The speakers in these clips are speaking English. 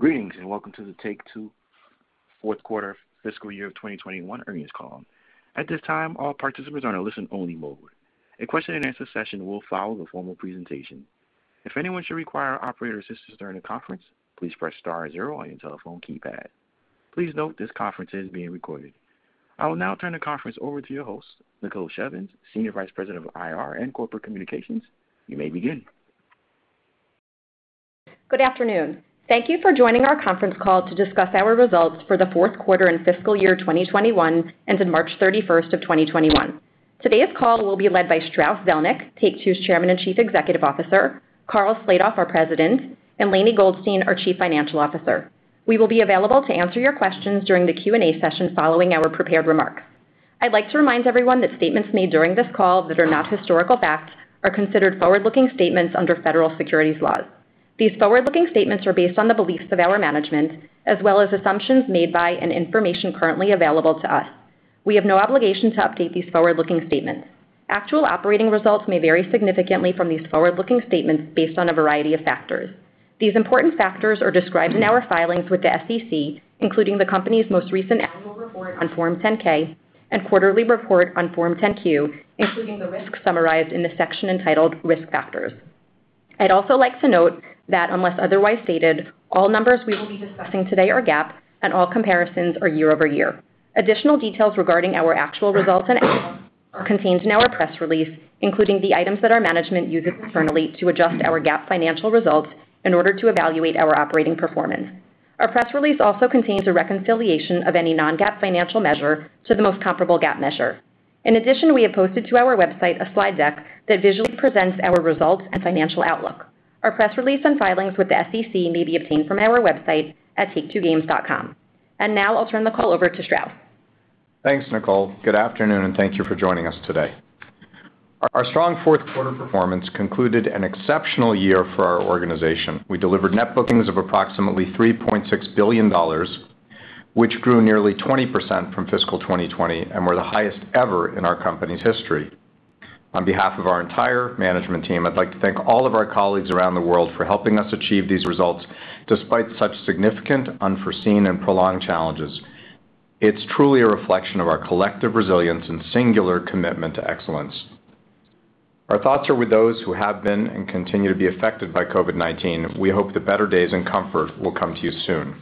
Greetings, welcome to the Take-Two fourth quarter fiscal year 2021 earnings call. At this time, all participants are in a listen-only mode. A question-and-answer session will follow the formal presentation. If anyone should require operator assistance during the conference, please press star zero on your telephone keypad. Please note this conference is being recorded. I will now turn the conference over to your host, Nicole Shevins, Senior Vice President of IR and Corporate Communications. You may begin. Good afternoon. Thank you for joining our conference call to discuss our results for the fourth quarter and fiscal year 2021 ended March 31, 2021. Today's call will be led by Strauss Zelnick, Take-Two's Chairman and Chief Executive Officer, Karl Slatoff, our President, and Lainie Goldstein, our Chief Financial Officer. We will be available to answer your questions during the Q&A session following our prepared remarks. I'd like to remind everyone that statements made during this call that are not historical facts are considered forward-looking statements under federal securities laws. These forward-looking statements are based on the beliefs of our management as well as assumptions made by and information currently available to us. We have no obligation to update these forward-looking statements. Actual operating results may vary significantly from these forward-looking statements based on a variety of factors. These important factors are described in our filings with the SEC, including the company's most recent annual report on Form 10-K and quarterly report on Form 10-Q, including the risks summarized in the section entitled "Risk Factors." I'd also like to note that unless otherwise stated, all numbers we will be discussing today are GAAP, and all comparisons are year-over-year. Additional details regarding our actual results and outlook are contained in our press release, including the items that our management uses internally to adjust our GAAP financial results in order to evaluate our operating performance. Our press release also contains a reconciliation of any non-GAAP financial measure to the most comparable GAAP measure. In addition, we have posted to our website a slide deck that visually presents our results and financial outlook. Our press release and filings with the SEC may be obtained from our website at taketwogames.com. Now I'll turn the call over to Strauss. Thanks, Nicole. Good afternoon, thank you for joining us today. Our strong fourth quarter performance concluded an exceptional year for our organization. We delivered net bookings of approximately $3.6 billion, which grew nearly 20% from fiscal 2020 and were the highest ever in our company's history. On behalf of our entire management team, I'd like to thank all of our colleagues around the world for helping us achieve these results, despite such significant unforeseen and prolonged challenges. It's truly a reflection of our collective resilience and singular commitment to excellence. Our thoughts are with those who have been and continue to be affected by COVID-19. We hope that better days and comfort will come to you soon.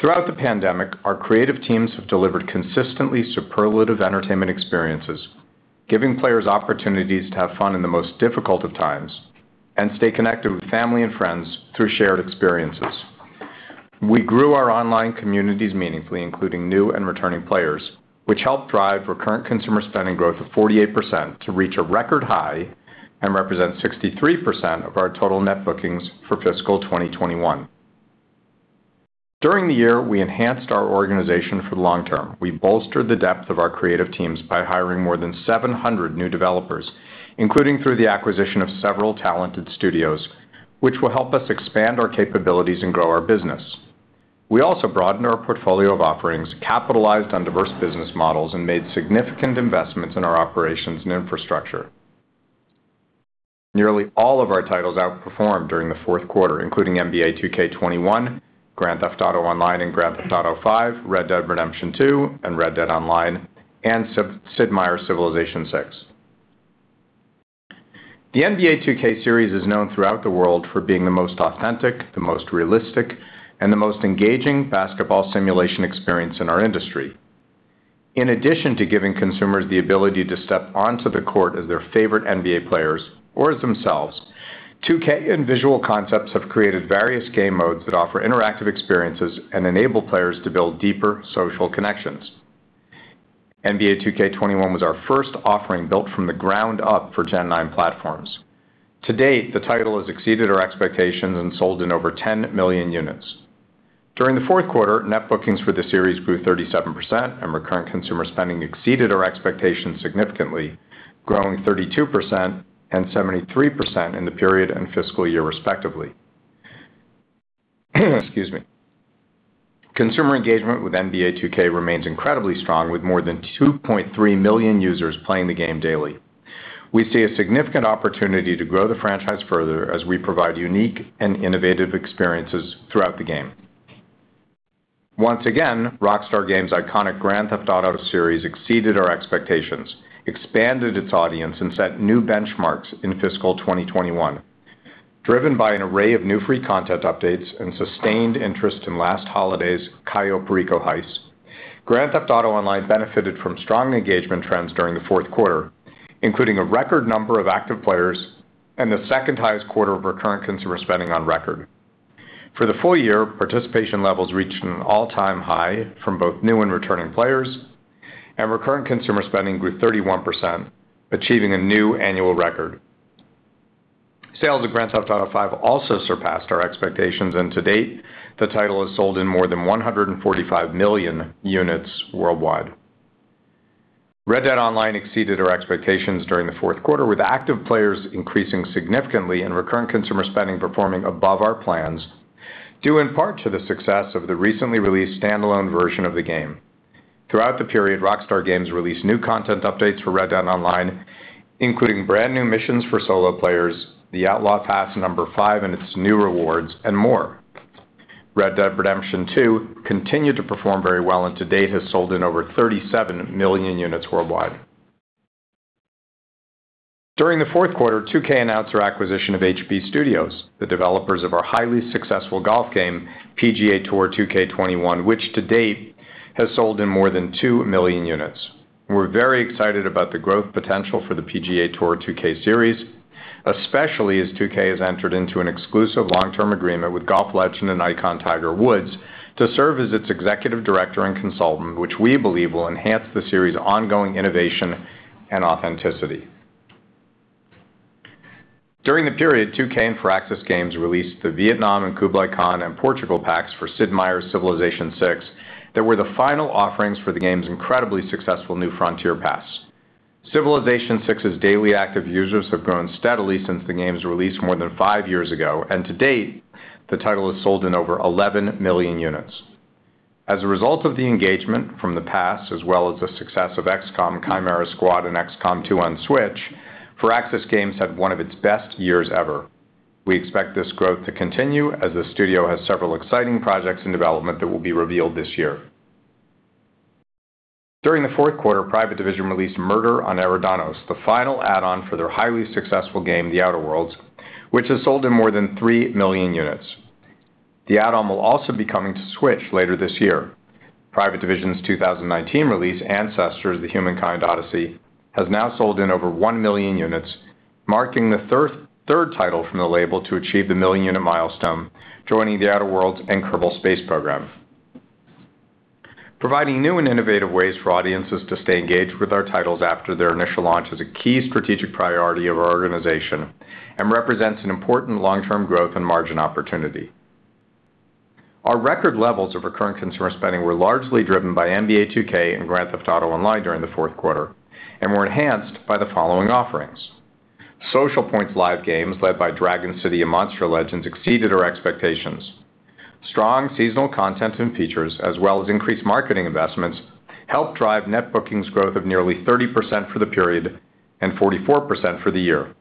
Throughout the pandemic, our creative teams have delivered consistently superlative entertainment experiences, giving players opportunities to have fun in the most difficult of times and stay connected with family and friends through shared experiences. We grew our online communities meaningfully, including new and returning players, which helped drive recurrent consumer spending growth of 48% to reach a record high and represent 63% of our total net bookings for fiscal 2021. During the year, we enhanced our organization for the long term. We bolstered the depth of our creative teams by hiring more than 700 new developers, including through the acquisition of several talented studios, which will help us expand our capabilities and grow our business. We also broadened our portfolio of offerings, capitalized on diverse business models, and made significant investments in our operations and infrastructure. Nearly all of our titles outperformed during the fourth quarter, including NBA 2K21, Grand Theft Auto Online and Grand Theft Auto V, Red Dead Redemption 2 and Red Dead Online, and Sid Meier's Civilization VI. The NBA 2K series is known throughout the world for being the most authentic, the most realistic, and the most engaging basketball simulation experience in our industry. In addition to giving consumers the ability to step onto the court as their favorite NBA players or as themselves, 2K and Visual Concepts have created various game modes that offer interactive experiences and enable players to build deeper social connections. NBA 2K21 was our first offering built from the ground up for 9th-gen platforms. To date, the title has exceeded our expectations and sold in over 10 million units. During the fourth quarter, net bookings for the series grew 37%, and recurrent consumer spending exceeded our expectations significantly, growing 32% and 73% in the period and fiscal year respectively. Excuse me. Consumer engagement with NBA 2K remains incredibly strong, with more than 2.3 million users playing the game daily. We see a significant opportunity to grow the franchise further as we provide unique and innovative experiences throughout the game. Once again, Rockstar Games' iconic Grand Theft Auto series exceeded our expectations, expanded its audience, and set new benchmarks in fiscal 2021. Driven by an array of new free content updates and sustained interest in last holiday's Cayo Perico Heist, Grand Theft Auto Online benefited from strong engagement trends during the fourth quarter, including a record number of active players and the second highest quarter of recurrent consumer spending on record. For the full year, participation levels reached an all-time high from both new and returning players, and recurrent consumer spending grew 31%, achieving a new annual record. Sales of Grand Theft Auto V also surpassed our expectations, and to date, the title has sold in more than 145 million units worldwide. Red Dead Online exceeded our expectations during the fourth quarter, with active players increasing significantly and recurrent consumer spending performing above our plans, due in part to the success of the recently released standalone version of the game. Throughout the period, Rockstar Games released new content updates for Red Dead Online, including brand-new missions for solo players, the Outlaw Pass number five and its new rewards, and more. Red Dead Redemption 2 continued to perform very well and to date has sold in over 37 million units worldwide. During the fourth quarter, 2K announced our acquisition of HB Studios, the developers of our highly successful golf game, "PGA Tour 2K21," which to date has sold in more than 2 million units. We're very excited about the growth potential for the PGA Tour 2K series, especially as 2K has entered into an exclusive long-term agreement with golf legend and icon Tiger Woods to serve as its Executive Director and consultant, which we believe will enhance the series' ongoing innovation and authenticity. During the period, 2K and Firaxis Games released the Vietnam and Kublai Khan and Portugal Packs for "Sid Meier's Civilization VI" that were the final offerings for the game's incredibly successful New Frontier Pass. "Civilization VI's" daily active users have grown steadily since the game's release more than five years ago, and to date, the title has sold in over 11 million units. As a result of the engagement from the pass, as well as the success of "XCOM: Chimera Squad" and "XCOM 2" on Switch, Firaxis Games had one of its best years ever. We expect this growth to continue as the studio has several exciting projects in development that will be revealed this year. During the fourth quarter, Private Division released "Murder on Eridanos," the final add-on for their highly successful game, "The Outer Worlds," which has sold in more than 3 million units. The add-on will also be coming to Switch later this year. Private Division's 2019 release, "Ancestors: The Humankind Odyssey," has now sold in over 1 million units, marking the third title from the label to achieve the million-unit milestone, joining "The Outer Worlds" and "Kerbal Space Program." Providing new and innovative ways for audiences to stay engaged with our titles after their initial launch is a key strategic priority of our organization and represents an important long-term growth and margin opportunity. Our record levels of recurrent consumer spending were largely driven by "NBA 2K" and "Grand Theft Auto Online" during the fourth quarter and were enhanced by the following offerings. Socialpoint's live games, led by "Dragon City" and "Monster Legends," exceeded our expectations. Strong seasonal content and features, as well as increased marketing investments, helped drive net bookings growth of nearly 30% for the period and 44% for the year.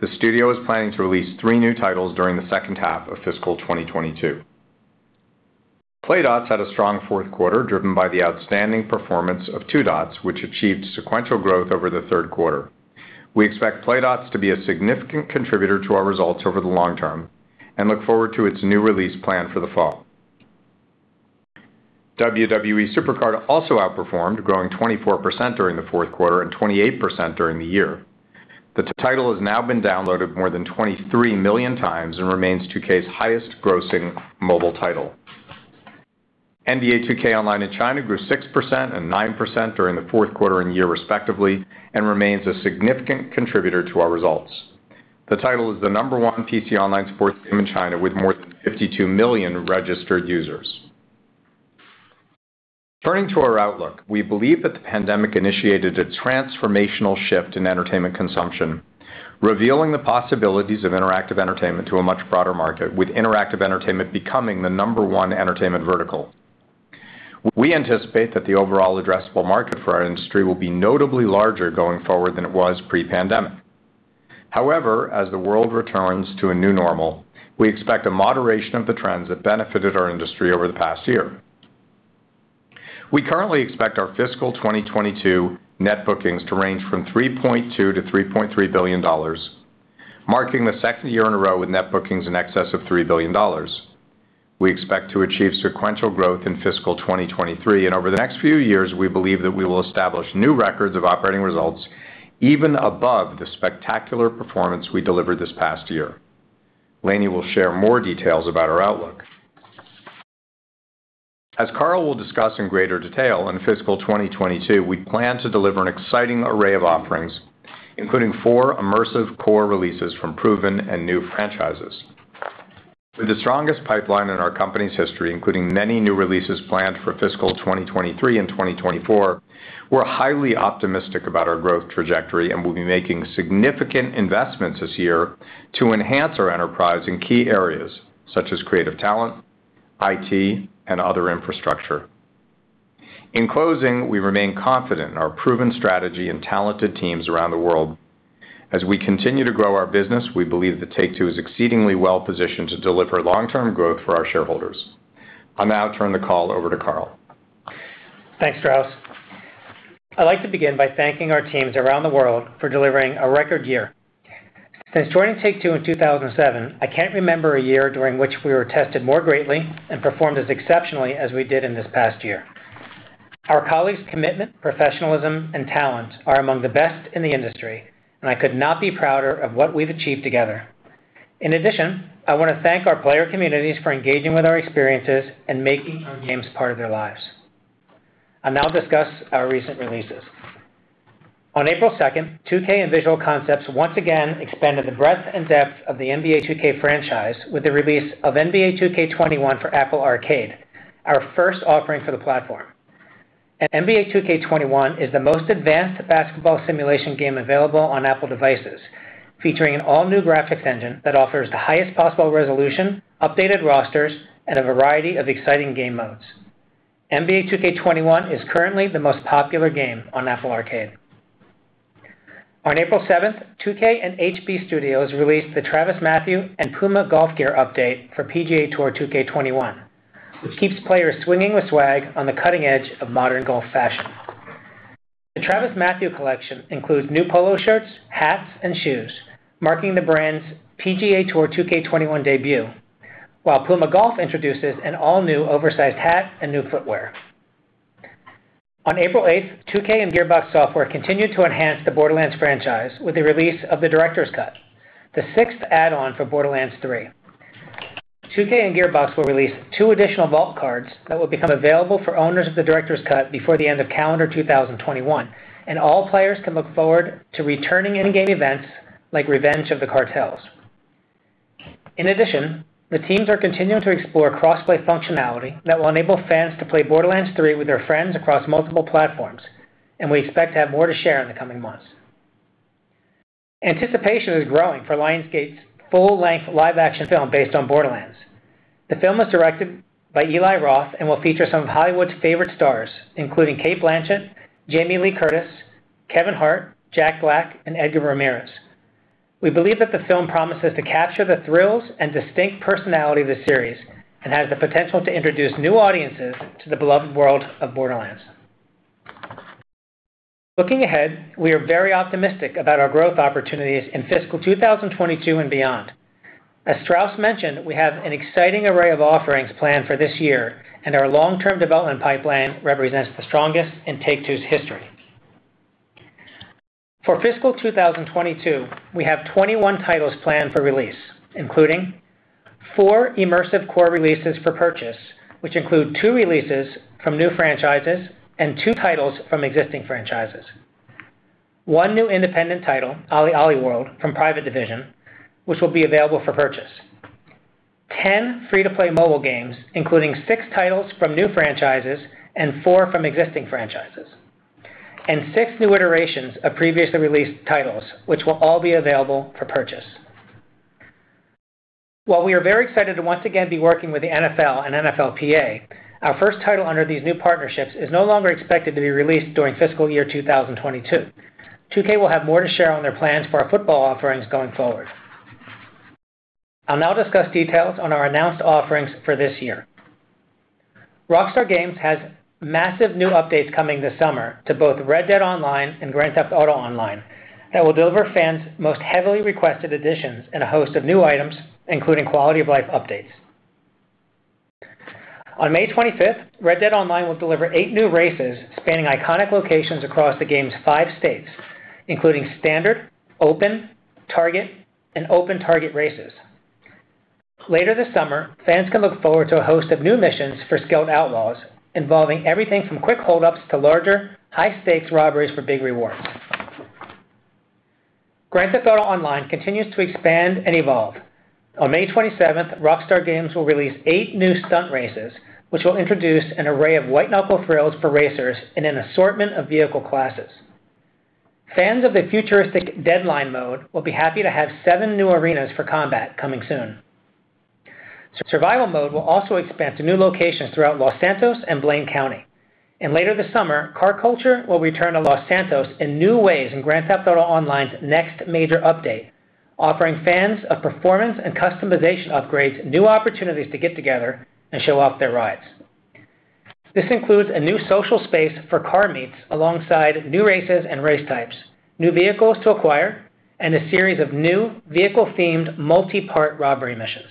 The studio is planning to release three new titles during the second half of fiscal 2022. Playdots had a strong fourth quarter, driven by the outstanding performance of "Two Dots," which achieved sequential growth over the third quarter. We expect Playdots to be a significant contributor to our results over the long term and look forward to its new release planned for the fall. "WWE SuperCard" also outperformed, growing 24% during the fourth quarter and 28% during the year. The title has now been downloaded more than 23 million times and remains 2K's highest-grossing mobile title. "NBA 2K Online" in China grew 6% and 9% during the fourth quarter and year respectively, and remains a significant contributor to our results. The title is the number one PC online sports game in China, with more than 52 million registered users. Turning to our outlook, we believe that the pandemic initiated a transformational shift in entertainment consumption, revealing the possibilities of interactive entertainment to a much broader market, with interactive entertainment becoming the number one entertainment vertical. We anticipate that the overall addressable market for our industry will be notably larger going forward than it was pre-pandemic. However, as the world returns to a new normal, we expect a moderation of the trends that benefited our industry over the past year. We currently expect our fiscal 2022 net bookings to range from $3.2 billion-$3.3 billion, marking the second year in a row with net bookings in excess of $3 billion. We expect to achieve sequential growth in fiscal 2023, and over the next few years, we believe that we will establish new records of operating results even above the spectacular performance we delivered this past year. Lainie will share more details about our outlook. As Karl will discuss in greater detail, in fiscal 2022, we plan to deliver an exciting array of offerings, including four immersive core releases from proven and new franchises. With the strongest pipeline in our company's history, including many new releases planned for fiscal 2023 and 2024, we're highly optimistic about our growth trajectory and will be making significant investments this year to enhance our enterprise in key areas such as creative talent, IT, and other infrastructure. In closing, we remain confident in our proven strategy and talented teams around the world. As we continue to grow our business, we believe that Take-Two is exceedingly well-positioned to deliver long-term growth for our shareholders. I'll now turn the call over to Karl. Thanks, Strauss. I'd like to begin by thanking our teams around the world for delivering a record year. Since joining Take-Two in 2007, I can't remember a year during which we were tested more greatly and performed as exceptionally as we did in this past year. Our colleagues' commitment, professionalism, and talent are among the best in the industry, and I could not be prouder of what we've achieved together. In addition, I want to thank our player communities for engaging with our experiences and making our games part of their lives. I'll now discuss our recent releases. On April 2, 2K and Visual Concepts once again expanded the breadth and depth of the NBA 2K franchise with the release of NBA 2K21 for Apple Arcade, our first offering for the platform. NBA 2K21 is the most advanced basketball simulation game available on Apple devices, featuring an all-new graphics engine that offers the highest possible resolution, updated rosters, and a variety of exciting game modes. NBA 2K21 is currently the most popular game on Apple Arcade. On April 7, 2K and HB Studios released the TravisMathew and Puma Golf gear update for PGA Tour 2K21, which keeps players swinging with swag on the cutting edge of modern golf fashion. The TravisMathew collection includes new polo shirts, hats, and shoes, marking the brand's PGA Tour 2K21 debut, while Puma Golf introduces an all-new oversized hat and new footwear. On April 8, 2K and Gearbox Software continued to enhance the Borderlands franchise with the release of the Director's Cut, the sixth add-on for Borderlands 3. 2K and Gearbox will release two additional vault cards that will become available for owners of the Director's Cut before the end of calendar 2021, and all players can look forward to returning in-game events like Revenge of the Cartels. In addition, the teams are continuing to explore cross-play functionality that will enable fans to play Borderlands 3 with their friends across multiple platforms, and we expect to have more to share in the coming months. Anticipation is growing for Lionsgate's full-length live-action film based on Borderlands. The film is directed by Eli Roth and will feature some of Hollywood's favorite stars, including Cate Blanchett, Jamie Lee Curtis, Kevin Hart, Jack Black, and Édgar Ramírez. We believe that the film promises to capture the thrills and distinct personality of the series and has the potential to introduce new audiences to the beloved world of Borderlands. Looking ahead, we are very optimistic about our growth opportunities in fiscal 2022 and beyond. As Strauss mentioned, we have an exciting array of offerings planned for this year, and our long-term development pipeline represents the strongest in Take-Two's history. For fiscal 2022, we have 21 titles planned for release, including four immersive core releases for purchase, which include two releases from new franchises and two titles from existing franchises. One new independent title, OlliOlli World from Private Division, which will be available for purchase. 10 free-to-play mobile games, including six titles from new franchises and four from existing franchises, and six new iterations of previously released titles, which will all be available for purchase. While we are very excited to once again be working with the NFL and NFLPA, our first title under these new partnerships is no longer expected to be released during fiscal year 2022. 2K will have more to share on their plans for our football offerings going forward. I'll now discuss details on our announced offerings for this year. Rockstar Games has massive new updates coming this summer to both Red Dead Online and Grand Theft Auto Online, and will deliver fans' most heavily requested additions and a host of new items, including quality of life updates. On May 25, Red Dead Online will deliver eight new races spanning iconic locations across the game's five states, including standard, open, target, and open target races. Later this summer, fans can look forward to a host of new missions for skilled outlaws, involving everything from quick hold-ups to larger, high-stakes robberies for big rewards. Grand Theft Auto Online continues to expand and evolve. On May 27, Rockstar Games will release eight new stunt races, which will introduce an array of white-knuckle thrills for racers in an assortment of vehicle classes. Fans of the futuristic Deadline mode will be happy to have seven new arenas for combat coming soon. Survival mode will also expand to new locations throughout Los Santos and Blaine County. Later this summer, car culture will return to Los Santos in new ways in Grand Theft Auto Online's next major update, offering fans of performance and customization upgrades new opportunities to get together and show off their rides. This includes a new social space for car meets alongside new races and race types, new vehicles to acquire, and a series of new vehicle-themed multi-part robbery missions.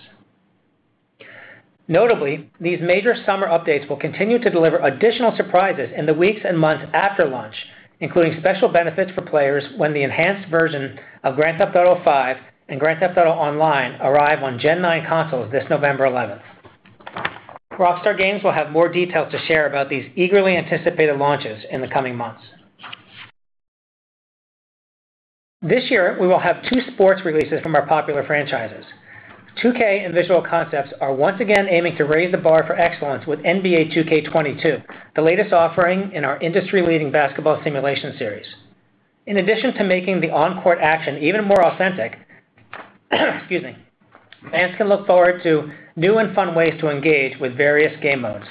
Notably, these major summer updates will continue to deliver additional surprises in the weeks and months after launch, including special benefits for players when the enhanced version of Grand Theft Auto V and Grand Theft Auto Online arrive on 9th-gen consoles this November 11. Rockstar Games will have more details to share about these eagerly anticipated launches in the coming months. This year, we will have two sports releases from our popular franchises. 2K and Visual Concepts are once again aiming to raise the bar for excellence with NBA 2K22, the latest offering in our industry-leading basketball simulation series. In addition to making the on-court action even more authentic, excuse me, fans can look forward to new and fun ways to engage with various game modes.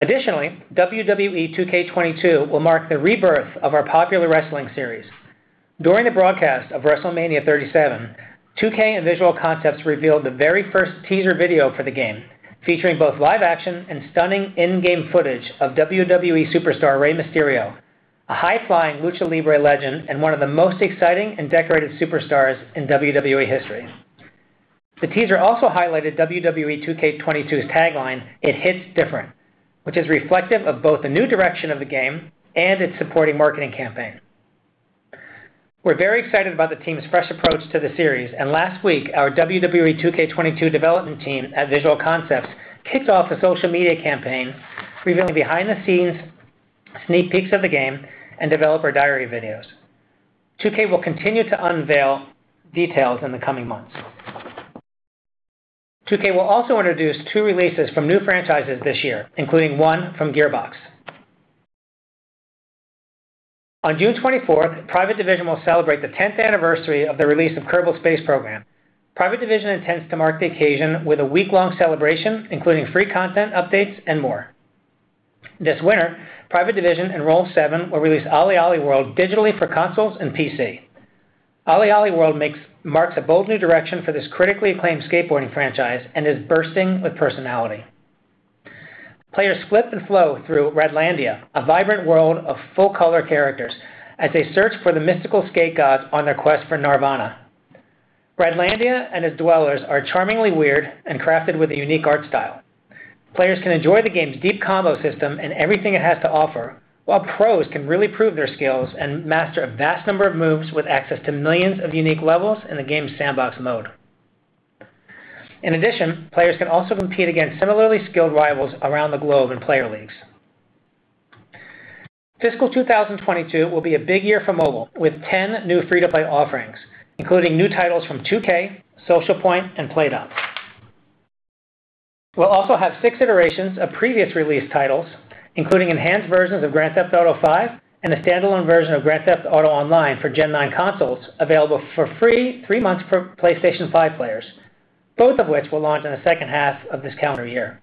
Additionally, WWE 2K22 will mark the rebirth of our popular wrestling series. During the broadcast of WrestleMania 37, 2K and Visual Concepts revealed the very first teaser video for the game, featuring both live-action and stunning in-game footage of WWE superstar Rey Mysterio, a high-flying Lucha Libre legend and one of the most exciting and decorated superstars in WWE history. The teaser also highlighted WWE 2K22's tagline, "It hits different," which is reflective of both the new direction of the game and its supporting marketing campaign. We're very excited about the team's fresh approach to the series, and last week, our WWE 2K22 development team at Visual Concepts kicked off a social media campaign revealing behind-the-scenes sneak peeks of the game and developer diary videos. 2K will continue to unveil details in the coming months. 2K will also introduce two releases from new franchises this year, including one from Gearbox. On June 24th, Private Division will celebrate the 10th anniversary of the release of Kerbal Space Program. Private Division intends to mark the occasion with a week-long celebration, including free content updates and more. This winter, Private Division and Roll7 will release OlliOlli World digitally for consoles and PC. OlliOlli World marks a bold new direction for this critically acclaimed skateboarding franchise and is bursting with personality. Players flip and flow through Radlandia, a vibrant world of full-color characters, as they search for the mystical Skate Gods on their quest for Gnarvana. Radlandia and its dwellers are charmingly weird and crafted with a unique art style. Players can enjoy the game's deep combo system and everything it has to offer, while pros can really prove their skills and master a vast number of moves with access to millions of unique levels in the game's sandbox mode. In addition, players can also compete against similarly skilled rivals around the globe in Player Leagues. Fiscal 2022 will be a big year for mobile, with 10 new free-to-play offerings, including new titles from 2K, Socialpoint, and Playdots. We'll also have six iterations of previous released titles, including enhanced versions of Grand Theft Auto V and a standalone version of Grand Theft Auto Online for 9th-gen consoles available for free three months for PlayStation 5 players, both of which will launch in the second half of this calendar year.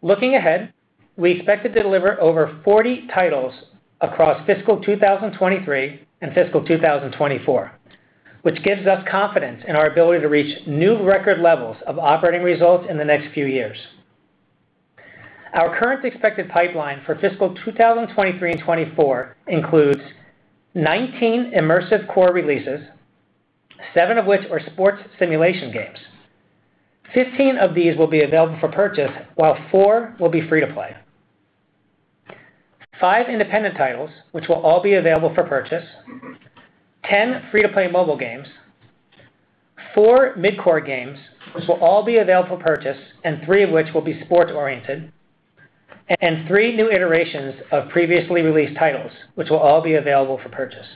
Looking ahead, we expect to deliver over 40 titles across fiscal 2023 and fiscal 2024, which gives us confidence in our ability to reach new record levels of operating results in the next few years. Our current expected pipeline for fiscal 2023 and 2024 includes 19 immersive core releases, seven of which are sports simulation games. 15 of these will be available for purchase, while four will be free to play. Five independent titles, which will all be available for purchase, 10 free-to-play mobile games, four mid-core games, which will all be available for purchase and three of which will be sports oriented, and three new iterations of previously released titles, which will all be available for purchase.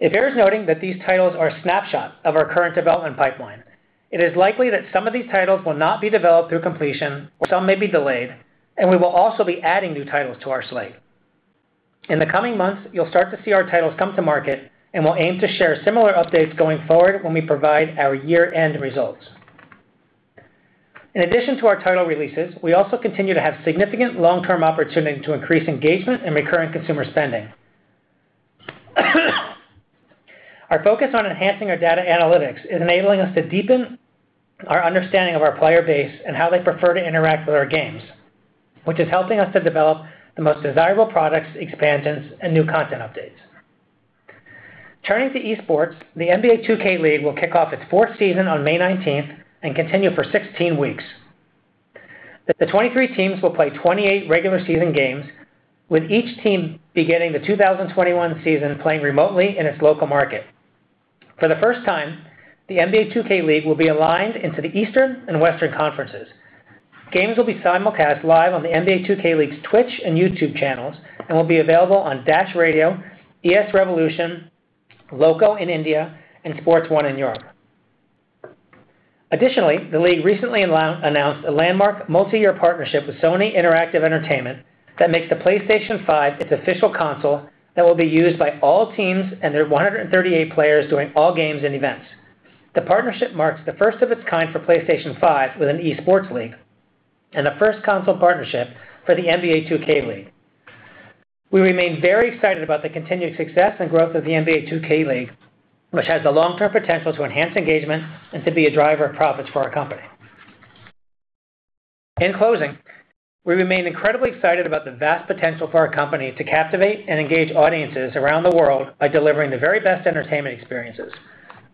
It bears noting that these titles are a snapshot of our current development pipeline. It is likely that some of these titles will not be developed through completion, while some may be delayed, and we will also be adding new titles to our slate. In the coming months, you'll start to see our titles come to market, and we'll aim to share similar updates going forward when we provide our year-end results. In addition to our title releases, we also continue to have significant long-term opportunity to increase engagement and recurrent consumer spending. Our focus on enhancing our data analytics is enabling us to deepen our understanding of our player base and how they prefer to interact with our games, which is helping us to develop the most desirable products, expansions, and new content updates. Turning to esports, the NBA 2K League will kick off its fourth season on May 19 and continue for 16 weeks. The 23 teams will play 28 regular season games, with each team beginning the 2021 season playing remotely in its local market. For the first time, the NBA 2K League will be aligned into the Eastern and Western Conferences. Games will be simulcast live on the NBA 2K League's Twitch and YouTube channels and will be available on Dash Radio, ESRevolution, Loco in India, and Sport1 in Europe. Additionally, the league recently announced a landmark multi-year partnership with Sony Interactive Entertainment that makes the PlayStation 5 its official console that will be used by all teams and their 138 players during all games and events. The partnership marks the first of its kind for PlayStation 5 with an esports league and the first console partnership for the NBA 2K League. We remain very excited about the continued success and growth of the NBA 2K League, which has the long-term potential to enhance engagement and to be a driver of profits for our company. In closing, we remain incredibly excited about the vast potential for our company to captivate and engage audiences around the world by delivering the very best entertainment experiences.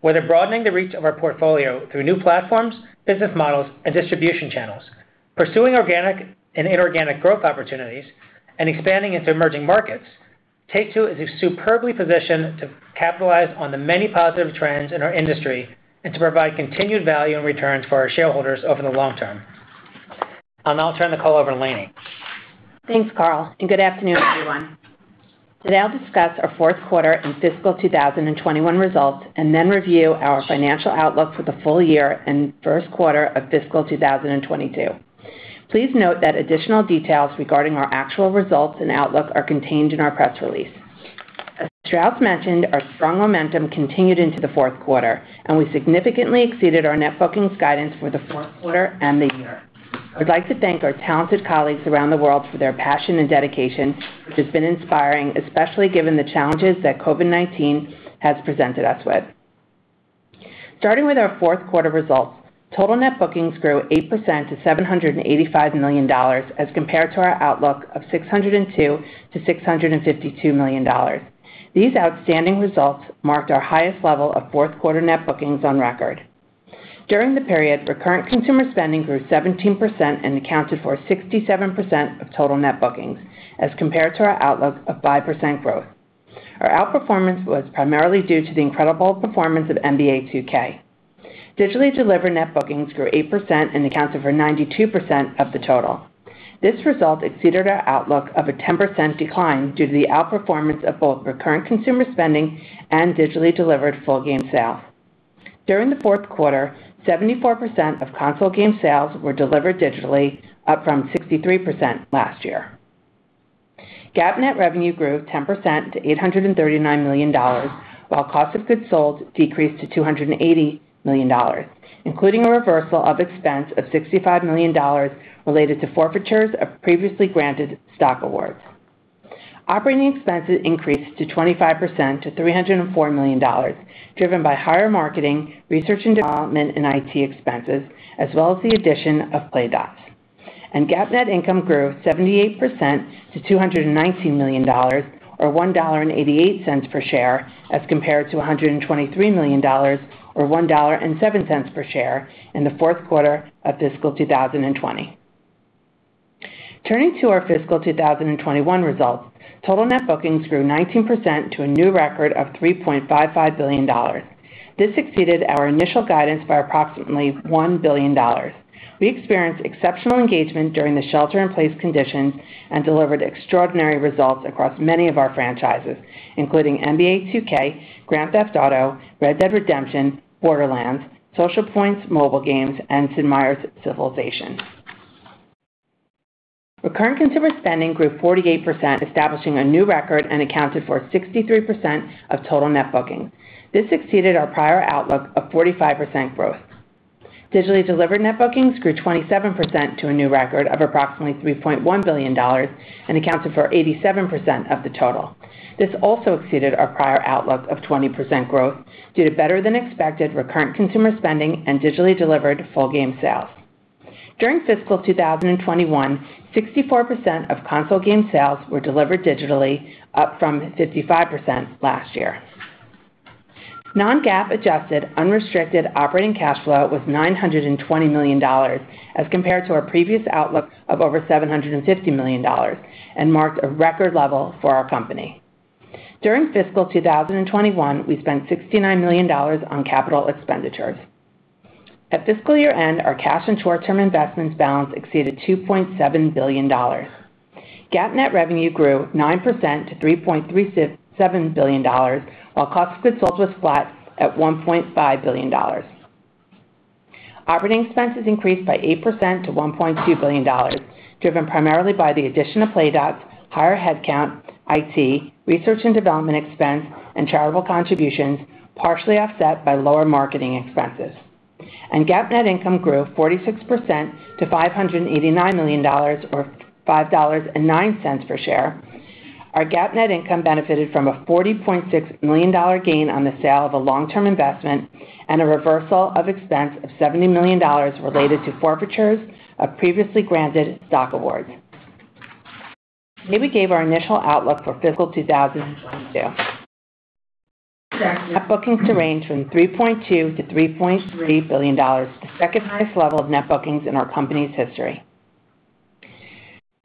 Whether broadening the reach of our portfolio through new platforms, business models, and distribution channels, pursuing organic and inorganic growth opportunities, and expanding into emerging markets, Take-Two is superbly positioned to capitalize on the many positive trends in our industry and to provide continued value and returns for our shareholders over the long term. I'll now turn the call over to Lainie. Thanks, Karl, and good afternoon, everyone. We'll now discuss our fourth quarter and fiscal 2021 results and then review our financial outlook for the full year and first quarter of fiscal 2022. Please note that additional details regarding our actual results and outlook are contained in our press release. As Strauss mentioned, our strong momentum continued into the fourth quarter, and we significantly exceeded our net bookings guidance for the fourth quarter and the year. I'd like to thank our talented colleagues around the world for their passion and dedication, which has been inspiring, especially given the challenges that COVID-19 has presented us with. Starting with our fourth quarter results, total net bookings grew 8% to $785 million as compared to our outlook of $602 million-$652 million. These outstanding results marked our highest level of fourth quarter net bookings on record. During the period, recurrent consumer spending grew 17% and accounted for 67% of total net bookings as compared to our outlook of 5% growth. Our outperformance was primarily due to the incredible performance of NBA 2K. Digitally delivered net bookings grew 8% and accounted for 92% of the total. This result exceeded our outlook of a 10% decline due to the outperformance of both recurrent consumer spending and digitally delivered full game sales. During the fourth quarter, 74% of console game sales were delivered digitally, up from 63% last year. GAAP net revenue grew 10% to $839 million, while cost of goods sold decreased to $280 million, including a reversal of expense of $65 million related to forfeitures of previously granted stock awards. Operating expenses increased to 25% to $304 million, driven by higher marketing, research and development and IT expenses, as well as the addition of Playdots. GAAP net income grew 78% to $219 million, or $1.88 per share as compared to $123 million or $1.07 per share in the fourth quarter of fiscal 2020. Turning to our fiscal 2021 results, total net bookings grew 19% to a new record of $3.55 billion. This exceeded our initial guidance by approximately $1 billion. We experienced exceptional engagement during the shelter-in-place conditions and delivered extraordinary results across many of our franchises, including NBA 2K, Grand Theft Auto, Red Dead Redemption, Borderlands, Socialpoint's mobile games, and Sid Meier's Civilization. Recurrent consumer spending grew 48%, establishing a new record and accounted for 63% of total net bookings. This exceeded our prior outlook of 45% growth. Digitally delivered net bookings grew 27% to a new record of approximately $3.1 billion and accounted for 87% of the total. This also exceeded our prior outlook of 20% growth due to better than expected recurrent consumer spending and digitally delivered full game sales. During fiscal 2021, 64% of console game sales were delivered digitally, up from 55% last year. Non-GAAP adjusted unrestricted operating cash flow was $920 million as compared to our previous outlook of over $750 million and marked a record level for our company. During fiscal 2021, we spent $69 million on capital expenditures. At fiscal year-end, our cash and short-term investments balance exceeded $2.7 billion. GAAP net revenue grew 9% to $3.37 billion, while cost of goods sold was flat at $1.5 billion. Operating expenses increased by 8% to $1.2 billion, driven primarily by the addition of Playdots, higher headcount, IT, research and development expense, and charitable contributions, partially offset by lower marketing expenses. GAAP net income grew 46% to $589 million, or $5.09 per share. Our GAAP net income benefited from a $40.6 million gain on the sale of a long-term investment and a reversal of expense of $70 million related to forfeitures of previously granted stock awards. Today, we gave our initial outlook for fiscal 2022. Net bookings to range from $3.2 billion-$3.3 billion, a second highest level of net bookings in our company's history.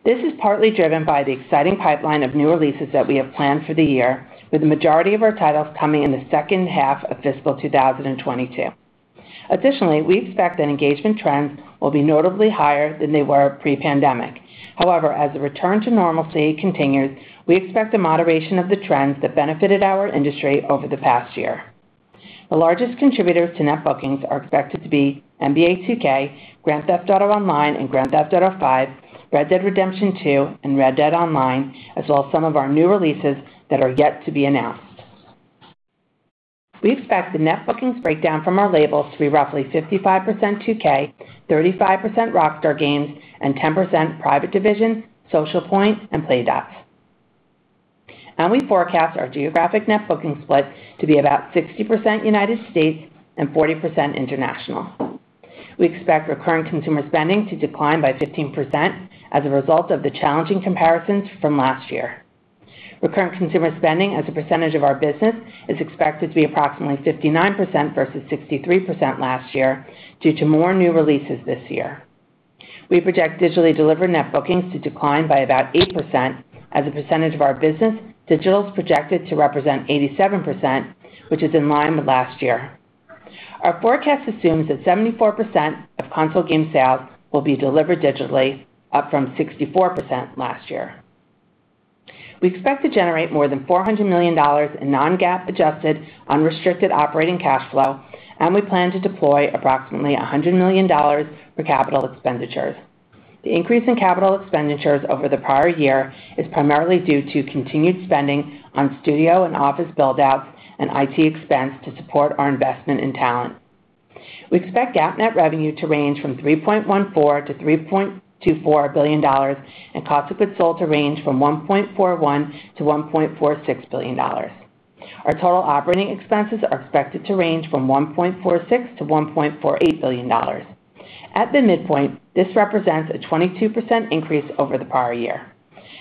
This is partly driven by the exciting pipeline of new releases that we have planned for the year, with the majority of our titles coming in the second half of fiscal 2022. Additionally, we expect engagement trends will be notably higher than they were pre-pandemic. As the return to normalcy continues, we expect a moderation of the trends that benefited our industry over the past year. The largest contributor to net bookings are expected to be NBA 2K, Grand Theft Auto Online and Grand Theft Auto V, Red Dead Redemption 2, and Red Dead Online, as well as some of our new releases that are yet to be announced. We expect the net bookings breakdown from our labels to be roughly 55% 2K, 35% Rockstar Games, and 10% Private Division, Socialpoint, and Playdots. We forecast our geographic net booking split to be about 60% United States and 40% international. We expect recurrent consumer spending to decline by 15% as a result of the challenging comparisons from last year. Recurrent consumer spending as a percentage of our business is expected to be approximately 59% versus 63% last year due to more new releases this year. We project digitally delivered net bookings to decline by about 8%. As a percentage of our business, digital is projected to represent 87%, which is in line with last year. Our forecast assumes that 74% of console game sales will be delivered digitally, up from 64% last year. We expect to generate more than $400 million in non-GAAP adjusted unrestricted operating cash flow, and we plan to deploy approximately $100 million for capital expenditures. The increase in capital expenditures over the prior year is primarily due to continued spending on studio and office buildouts and IT expense to support our investment in talent. We expect GAAP net revenue to range from $3.14 billion-$3.24 billion and cost of goods sold to range from $1.41 billion-$1.46 billion. Our total operating expenses are expected to range from $1.46 billion-$1.48 billion. At the midpoint, this represents a 22% increase over the prior year.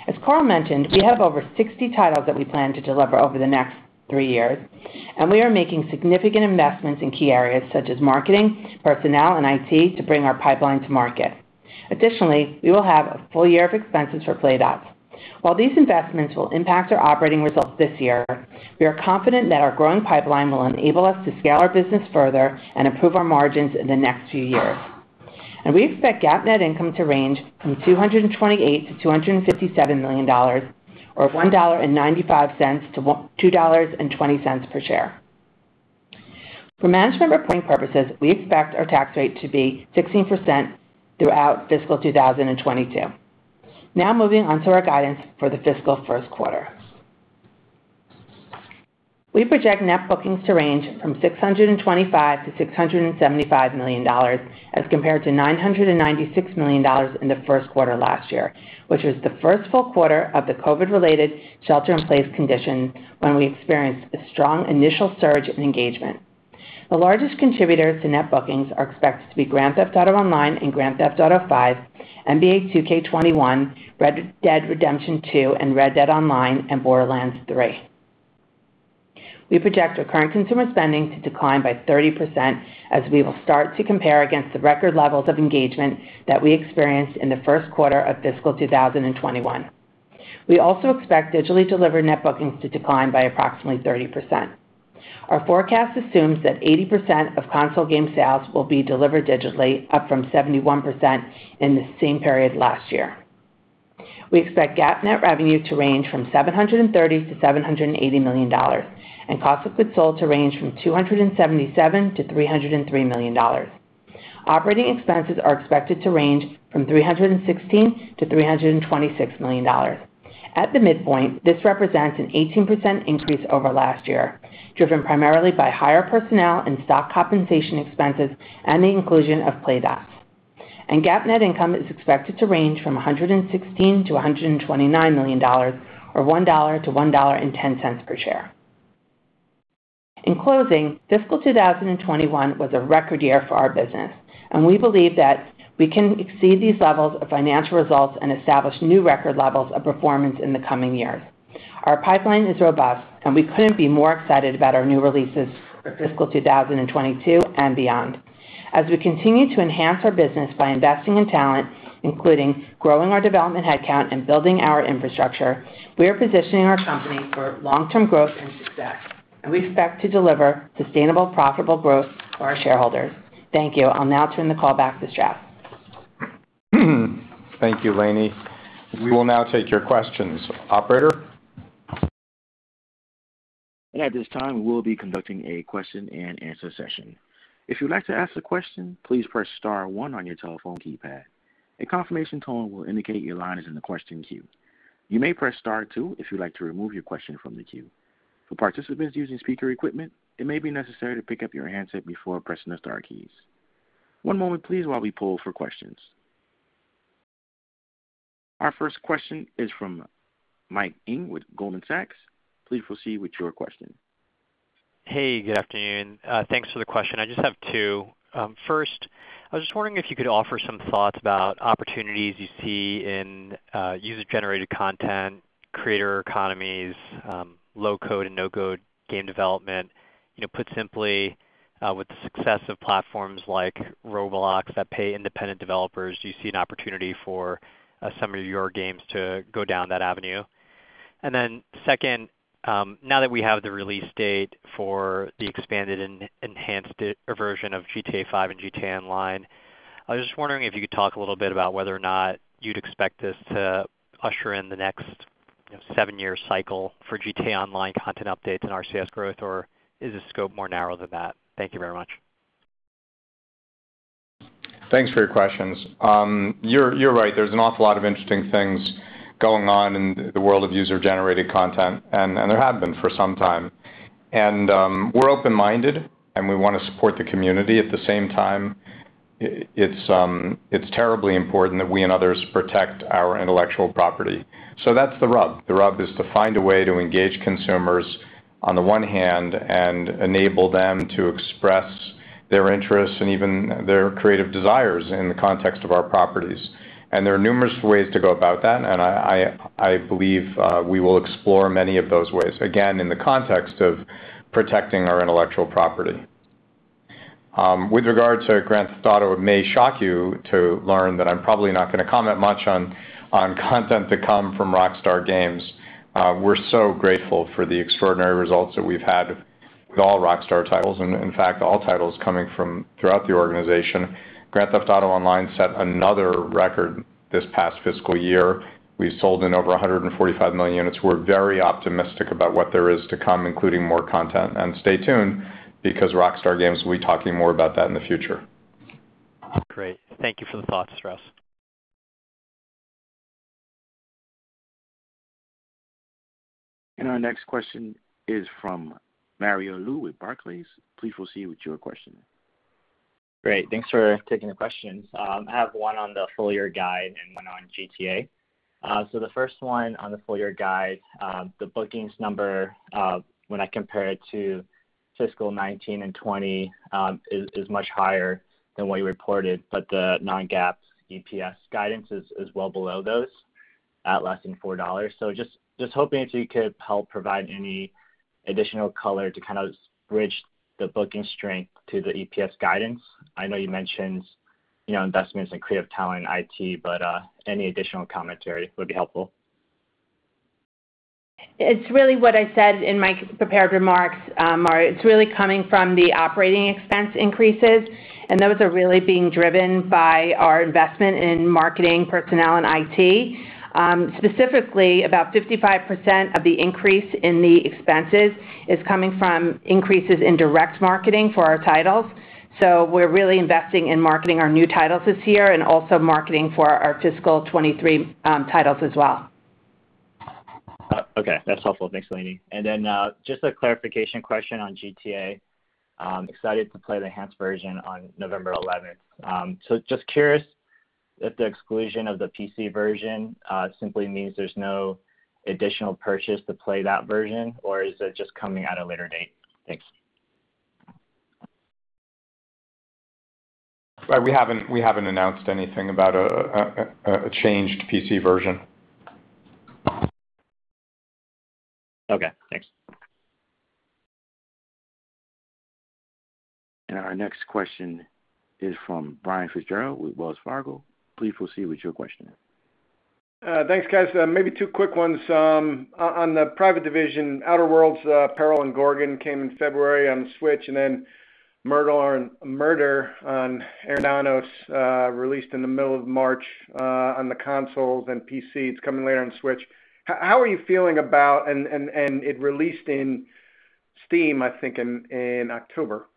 As Karl mentioned, we have over 60 titles that we plan to deliver over the next three years, and we are making significant investments in key areas such as marketing, personnel, and IT to bring our pipeline to market. Additionally, we will have a full year of expenses for Playdots. While these investments will impact our operating results this year, we are confident that our growing pipeline will enable us to scale our business further and improve our margins in the next few years. We expect GAAP net income to range from $228 million-$257 million, or $1.95-$2.20 per share. For management reporting purposes, we expect our tax rate to be 16% throughout fiscal 2022. Moving on to our guidance for the fiscal first quarter. We project net bookings to range from $625 million-$675 million as compared to $996 million in the first quarter last year, which was the first full quarter of the COVID-related shelter-in-place conditions when we experienced a strong initial surge in engagement. The largest contributor to net bookings are expected to be "Grand Theft Auto Online" and "Grand Theft Auto V," "NBA 2K21," "Red Dead Redemption 2" and "Red Dead Online," and "Borderlands 3." We project recurrent consumer spending to decline by 30% as we will start to compare against the record levels of engagement that we experienced in the first quarter of fiscal 2021. We also expect digitally delivered net bookings to decline by approximately 30%. Our forecast assumes that 80% of console game sales will be delivered digitally, up from 71% in the same period last year. We expect GAAP net revenue to range from $730 million-$780 million, cost of goods sold to range from $277 million-$303 million. Operating expenses are expected to range from $316 million-$326 million. At the midpoint, this represents an 18% increase over last year, driven primarily by higher personnel and stock compensation expenses and the inclusion of Playdots. GAAP net income is expected to range from $116 million-$129 million, or $1-$1.10 per share. In closing, fiscal 2021 was a record year for our business, we believe that we can exceed these levels of financial results and establish new record levels of performance in the coming years. Our pipeline is robust, we couldn't be more excited about our new releases for fiscal 2022 and beyond. As we continue to enhance our business by investing in talent, including growing our development headcount and building out infrastructure, we are positioning our company for long-term growth and success, and we expect to deliver sustainable, profitable growth for our shareholders. Thank you. I'll now turn the call back to Strauss. Thank you, Lainie. We will now take your questions. Operator? At this time, we will be conducting a question and answer session. If you'd like to ask a question, please press star one on your telephone keypad. A confirmation tone will indicate your line is in the questions queue. You may press star two if you'd like to remove your question from the queue. For participants using speaker equipment, it may be necessary to pick up your handset before pressing the star keys. One moment please while we poll for questions. Our first question is from Mike Ng with Goldman Sachs. Please proceed with your question. Hey, good afternoon. Thanks for the question. I just have two. First, I was just wondering if you could offer some thoughts about opportunities you see in user-generated content, creator economies, low-code and no-code game development. Put simply, with the success of platforms like Roblox that pay independent developers, do you see an opportunity for some of your games to go down that avenue? Second, now that we have the release date for the expanded and enhanced version of GTA V and GTA Online, I was just wondering if you could talk a little bit about whether or not you'd expect this to usher in the next seven-year cycle for GTA Online content updates and RCS growth, or is the scope more narrow than that? Thank you very much. Thanks for your questions. You're right. There's an awful lot of interesting things going on in the world of user-generated content, and there have been for some time. We're open-minded, and we want to support the community. At the same time, it's terribly important that we and others protect our intellectual property. That's the rub. The rub is to find a way to engage consumers on the one hand and enable them to express their interests and even their creative desires in the context of our properties. There are numerous ways to go about that, and I believe we will explore many of those ways, again, in the context of protecting our intellectual property. With regard to Grand Theft Auto, it may shock you to learn that I'm probably not going to comment much on content to come from Rockstar Games. We're so grateful for the extraordinary results that we've had with all Rockstar titles, in fact, all titles coming from throughout the organization. Grand Theft Auto Online set another record this past fiscal year. We sold in over 145 million units. We're very optimistic about what there is to come, including more content. Stay tuned because Rockstar Games will be talking more about that in the future. Great. Thank you for the thoughts, Strauss. Our next question is from Mario Lu with Barclays. Please proceed with your question. Great. Thanks for taking the questions. I have one on the full-year guide and one on GTA. The first one on the full-year guide, the bookings number, when I compare it to fiscal 2019 and 2020, is much higher than what you reported, but the non-GAAP EPS guidance is well below those at less than $4. Just hoping if you could help provide any additional color to kind of bridge the booking strength to the EPS guidance. I know you mentioned Investments in creative talent, IT, but any additional commentary would be helpful. It's really what I said in my prepared remarks, Mario Lu. It's really coming from the operating expense increases, and those are really being driven by our investment in marketing for personnel and IT. Specifically, about 55% of the increase in the expenses is coming from increases in direct marketing for our titles. We're really investing in marketing our new titles this year and also marketing for our fiscal 2023 titles as well. Okay, that's helpful. Thanks, Lainie. Just a clarification question on GTA. Excited to play the enhanced version on November 11. Just curious if the exclusion of the PC version simply means there's no additional purchase to play that version, or is it just coming at a later date? Thank you. We haven't announced anything about a changed PC version. Okay, thanks. Our next question is from Brian Fitzgerald with Wells Fargo. Please proceed with your question. Thanks, guys. Maybe two quick ones. On the Private Division, Outer Worlds Peril on Gorgon came in February on Switch, and then Murder on Eridanos released in the middle of March on the consoles and PC. It's coming later on Switch. How are you feeling? It released in Steam, I think, in October.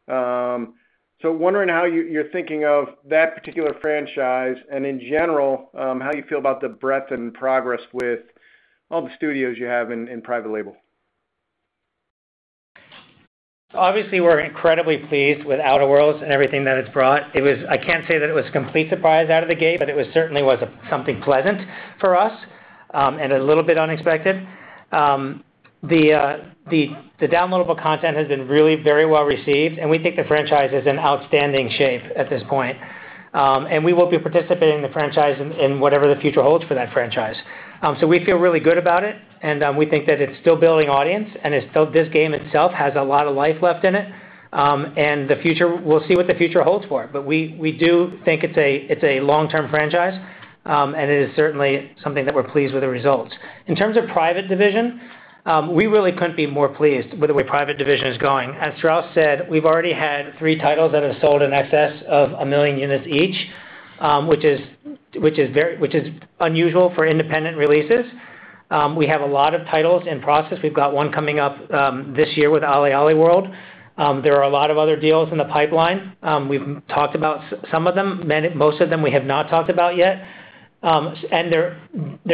Wondering how you're thinking of that particular franchise and in general, how you feel about the breadth and progress with all the studios you have in Private Division. Obviously, we're incredibly pleased with The Outer Worlds and everything that it's brought. I can't say that it was a complete surprise out of the gate, but it certainly was something pleasant for us and a little bit unexpected. The downloadable content has been really very well received, and we think the franchise is in outstanding shape at this point. We will be participating in franchise in whatever the future holds for that franchise. We feel really good about it, and we think that it's still building audience, and this game itself has a lot of life left in it. We'll see what the future holds for it. We do think it's a long-term franchise, and it is certainly something that we're pleased with the results. In terms of Private Division, we really couldn't be more pleased with the way Private Division is going. As Strauss said, we've already had three titles that have sold in excess of a million units each which is unusual for independent releases. We have a lot of titles in process. We've got one coming up this year with OlliOlli World. There are a lot of other deals in the pipeline. We've talked about some of them. Most of them we have not talked about yet. They're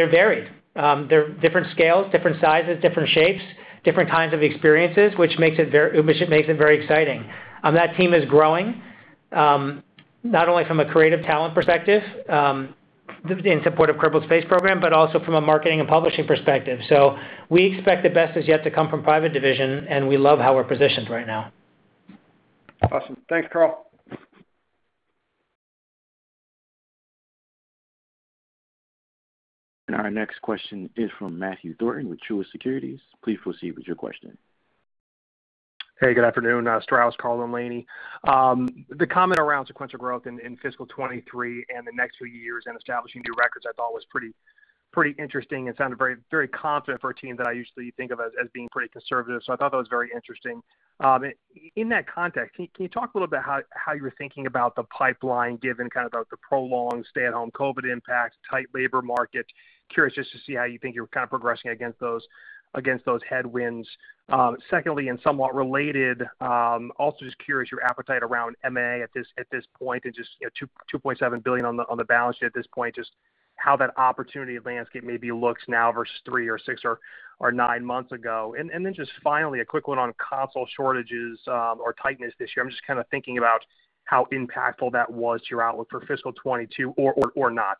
varied. They're different scales, different sizes, different shapes, different kinds of experiences, which makes it very exciting. That team is growing, not only from a creative talent perspective in support of Kerbal Space Program, but also from a marketing and publishing perspective. We expect the best is yet to come from Private Division, and we love how we're positioned right now. Awesome. Thanks, Karl. Our next question is from Matthew Thornton with Truist Securities. Please proceed with your question. Hey, good afternoon. Strauss, Karl and Lainie. The comment around sequential growth in fiscal 2023 and the next few years and establishing new records I thought was pretty interesting and sounded very confident for a team that I usually think of as being pretty conservative. I thought that was very interesting. In that context, can you talk a little about how you're thinking about the pipeline given the prolonged stay-at-home COVID-19 impact, tight labor market? Curious just to see how you think you're progressing against those headwinds. Somewhat related, also just curious your appetite around M&A at this point and just, $2.7 billion on the balance sheet at this point, just how that opportunity landscape maybe looks now versus three or six or nine months ago. Just finally, a quick one on console shortages or tightness this year. I'm just thinking about how impactful that was to your outlook for fiscal 2022 or not.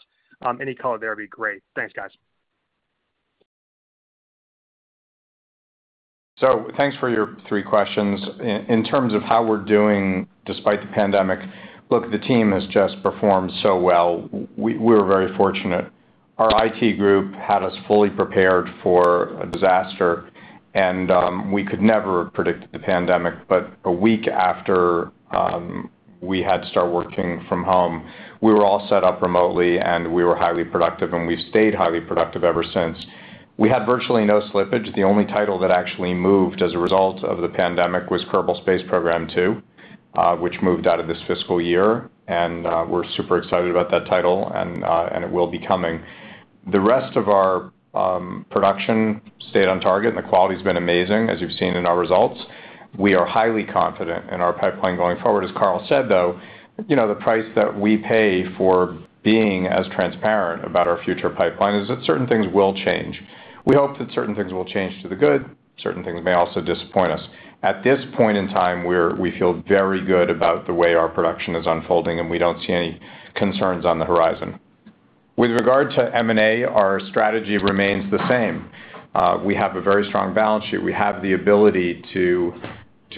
Any color there would be great. Thanks, guys. Thanks for your three questions. In terms of how we're doing despite the pandemic, look, the team has just performed so well. We're very fortunate. Our IT group had us fully prepared for a disaster, and we could never have predicted the pandemic. A week after we had to start working from home, we were all set up remotely, and we were highly productive, and we stayed highly productive ever since. We had virtually no slippage. The only title that actually moved as a result of the pandemic was Kerbal Space Program 2, which moved out of this fiscal year. We're super excited about that title, and it will be coming. The rest of our production stayed on target. The quality's been amazing, as you've seen in our results. We are highly confident in our pipeline going forward. As Karl Slatoff said, though, the price that we pay for being as transparent about our future pipeline is that certain things will change. We hope that certain things will change to the good. Certain things may also disappoint us. At this point in time, we feel very good about the way our production is unfolding, and we don't see any concerns on the horizon. With regard to M&A, our strategy remains the same. We have a very strong balance sheet. We have the ability to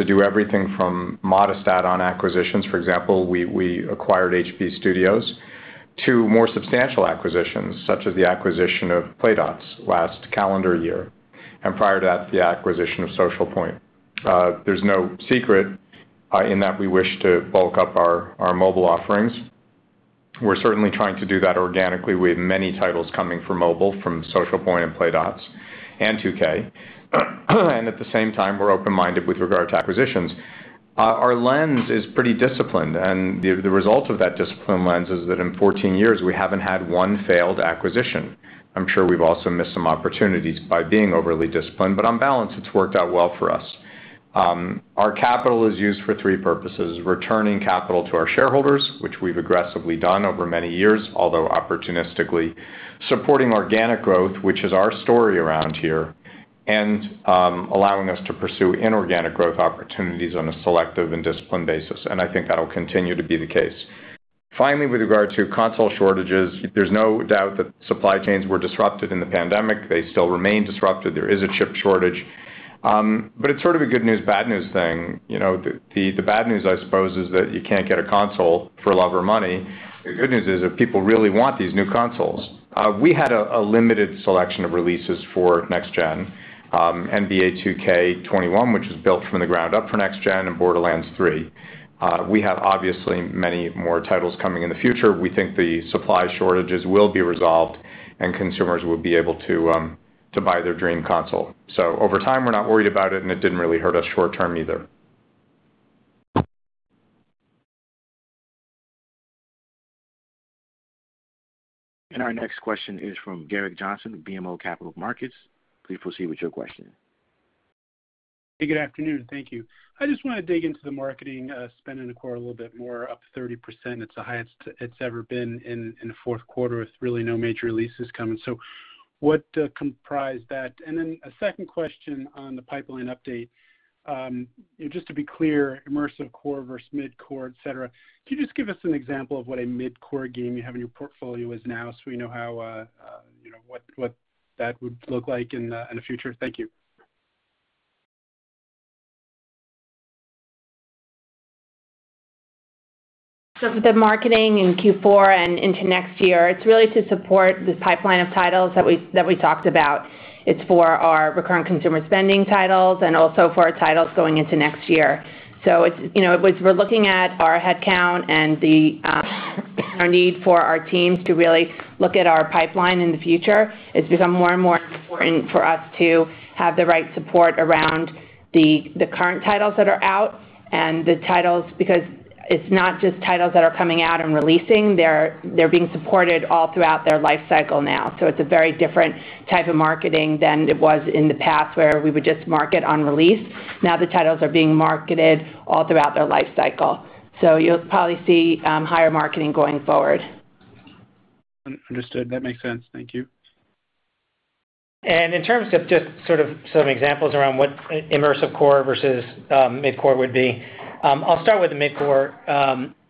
do everything from modest add-on acquisitions. For example, we acquired HB Studios To more substantial acquisitions, such as the acquisition of Playdots last calendar year, and prior to that, the acquisition of Socialpoint. There's no secret in that we wish to bulk up our mobile offerings. We're certainly trying to do that organically with many titles coming from mobile, from Socialpoint and Playdots and 2K. At the same time, we're open-minded with regard to acquisitions. Our lens is pretty disciplined, the result of that disciplined lens is that in 14 years, we haven't had one failed acquisition. I'm sure we've also missed some opportunities by being overly disciplined, on balance, it's worked out well for us. Our capital is used for three purposes: returning capital to our shareholders, which we've aggressively done over many years, although opportunistically. Supporting organic growth, which is our story around here, and allowing us to pursue inorganic growth opportunities on a selective and disciplined basis. I think that'll continue to be the case. Finally, with regard to console shortages, there's no doubt that supply chains were disrupted in the pandemic. They still remain disrupted. There is a chip shortage. It's sort of a good news, bad news thing. The bad news, I suppose, is that you can't get a console for love or money. The good news is that people really want these new consoles. We had a limited selection of releases for next-gen, NBA 2K21, which was built from the ground up for next-gen, and Borderlands 3. We have obviously many more titles coming in the future. We think the supply shortages will be resolved and consumers will be able to buy their dream console. Over time, we're not worried about it, and it didn't really hurt us short-term either. Our next question is from Garrett Johnson with BMO Capital Markets. Please proceed with your question. Good afternoon. Thank you. I just want to dig into the marketing spend in the quarter a little bit more. Up 30%, it's the highest it's ever been in a fourth quarter with really no major releases coming. What comprised that? A second question on the pipeline update. Just to be clear, immersive core versus mid-core, et cetera. Can you just give us an example of what a mid-core game you have in your portfolio is now so we know what that would look like in the future? Thank you. For the marketing in Q4 and into next year, it's really to support the pipeline of titles that we talked about. It's for our recurrent consumer spending titles and also for our titles going into next year. As we're looking at our headcount and our need for our teams to really look at our pipeline in the future, it's become more and more important for us to have the right support around the current titles that are out and the titles because it's not just titles that are coming out and releasing, they're being supported all throughout their lifecycle now. It's a very different type of marketing than it was in the past where we would just market on release. Now the titles are being marketed all throughout their lifecycle. You'll probably see higher marketing going forward. Understood. That makes sense. Thank you. In terms of just some examples around what immersive core versus mid-core would be, I'll start with mid-core.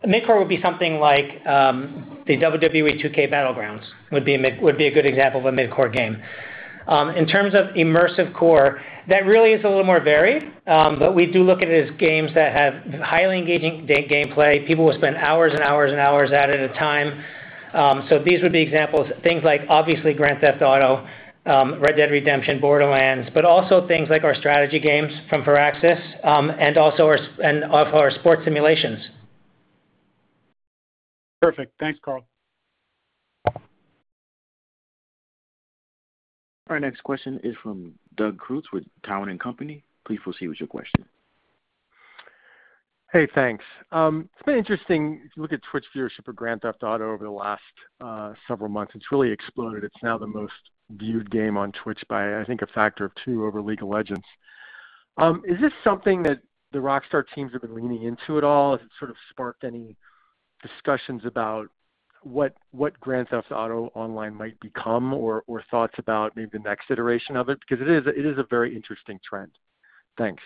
Mid-core would be something like the WWE 2K Battlegrounds would be a good example of a mid-core game. In terms of immersive core, that really is a little more varied, but we do look at it as games that have highly engaging gameplay. People will spend hours and hours at a time. These would be examples of things like obviously Grand Theft Auto, Red Dead Redemption, Borderlands. Also things like our strategy games from Firaxis and also our sports simulations. Perfect. Thanks, Karl. Our next question is from Doug Creutz with Cowen and Company. Please proceed with your question. Hey, thanks. It's been interesting to look at Twitch viewership for Grand Theft Auto over the last several months. It's really exploded. It's now the most viewed game on Twitch by, I think, a factor of two over League of Legends. Is this something that the Rockstar teams have been leaning into at all? Has it sparked any discussions about what Grand Theft Auto Online might become or thoughts about maybe the next iteration of it? Because it is a very interesting trend. Thanks.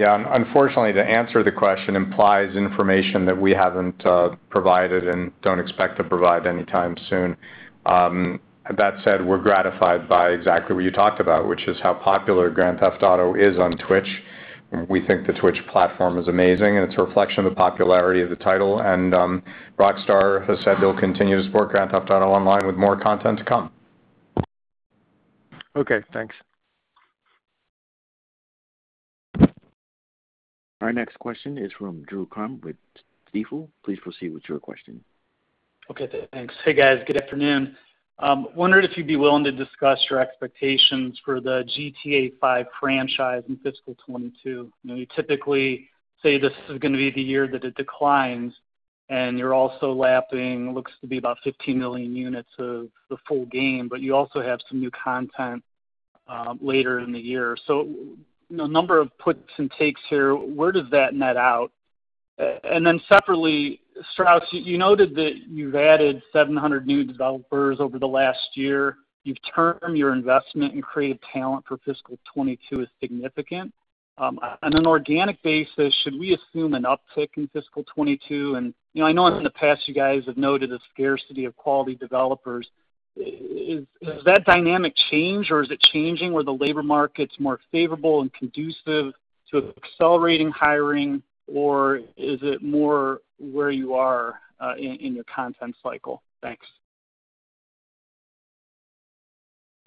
Yeah, unfortunately, to answer the question implies information that we haven't provided and don't expect to provide anytime soon. That said, we're gratified by exactly what you talked about, which is how popular Grand Theft Auto is on Twitch. We think the Twitch platform is amazing, and it's a reflection of the popularity of the title. Rockstar has said they'll continue to support Grand Theft Auto Online with more content to come. Okay, thanks. Our next question is from Drew Crum with Stifel. Please proceed with your question. Okay, thanks. Hey, guys. Good afternoon. Wondering if you'd be willing to discuss your expectations for the GTA V franchise in fiscal 2022. You typically say this is going to be the year that it declines, and you're also lapping, looks to be about 15 million units of the full game, but you also have some new content later in the year. A number of puts and takes here. Where does that net out? Separately, Strauss, you noted that you've added 700 new developers over the last year. Your term, your investment in creative talent for fiscal 2022 is significant. On an organic basis, should we assume an uptick in fiscal 2022? I know in the past you guys have noted a scarcity of quality developers. Is that dynamic change, or is it changing where the labor market's more favorable and conducive to accelerating hiring, or is it more where you are in your content cycle? Thanks.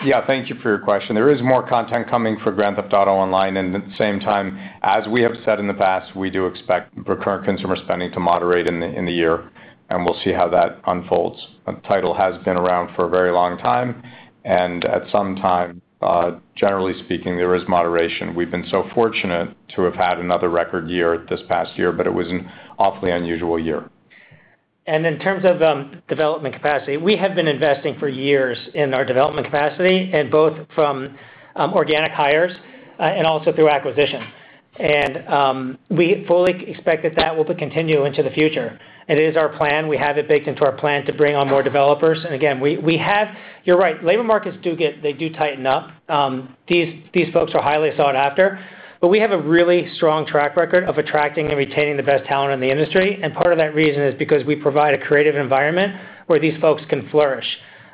Yeah. Thank you for your question. There is more content coming for Grand Theft Auto Online. At the same time, as we have said in the past, we do expect recurrent consumer spending to moderate in the year, and we'll see how that unfolds. The title has been around for a very long time, and at some time, generally speaking, there is moderation. We've been so fortunate to have had another record year this past year, but it was an awfully unusual year. In terms of development capacity, we have been investing for years in our development capacity and both from organic hires and also through acquisition. We fully expect that will continue into the future. It is our plan. We have it baked into our plan to bring on more developers. Again, you're right, labor markets do tighten up. These folks are highly sought after. We have a really strong track record of attracting and retaining the best talent in the industry. Part of that reason is because we provide a creative environment where these folks can flourish.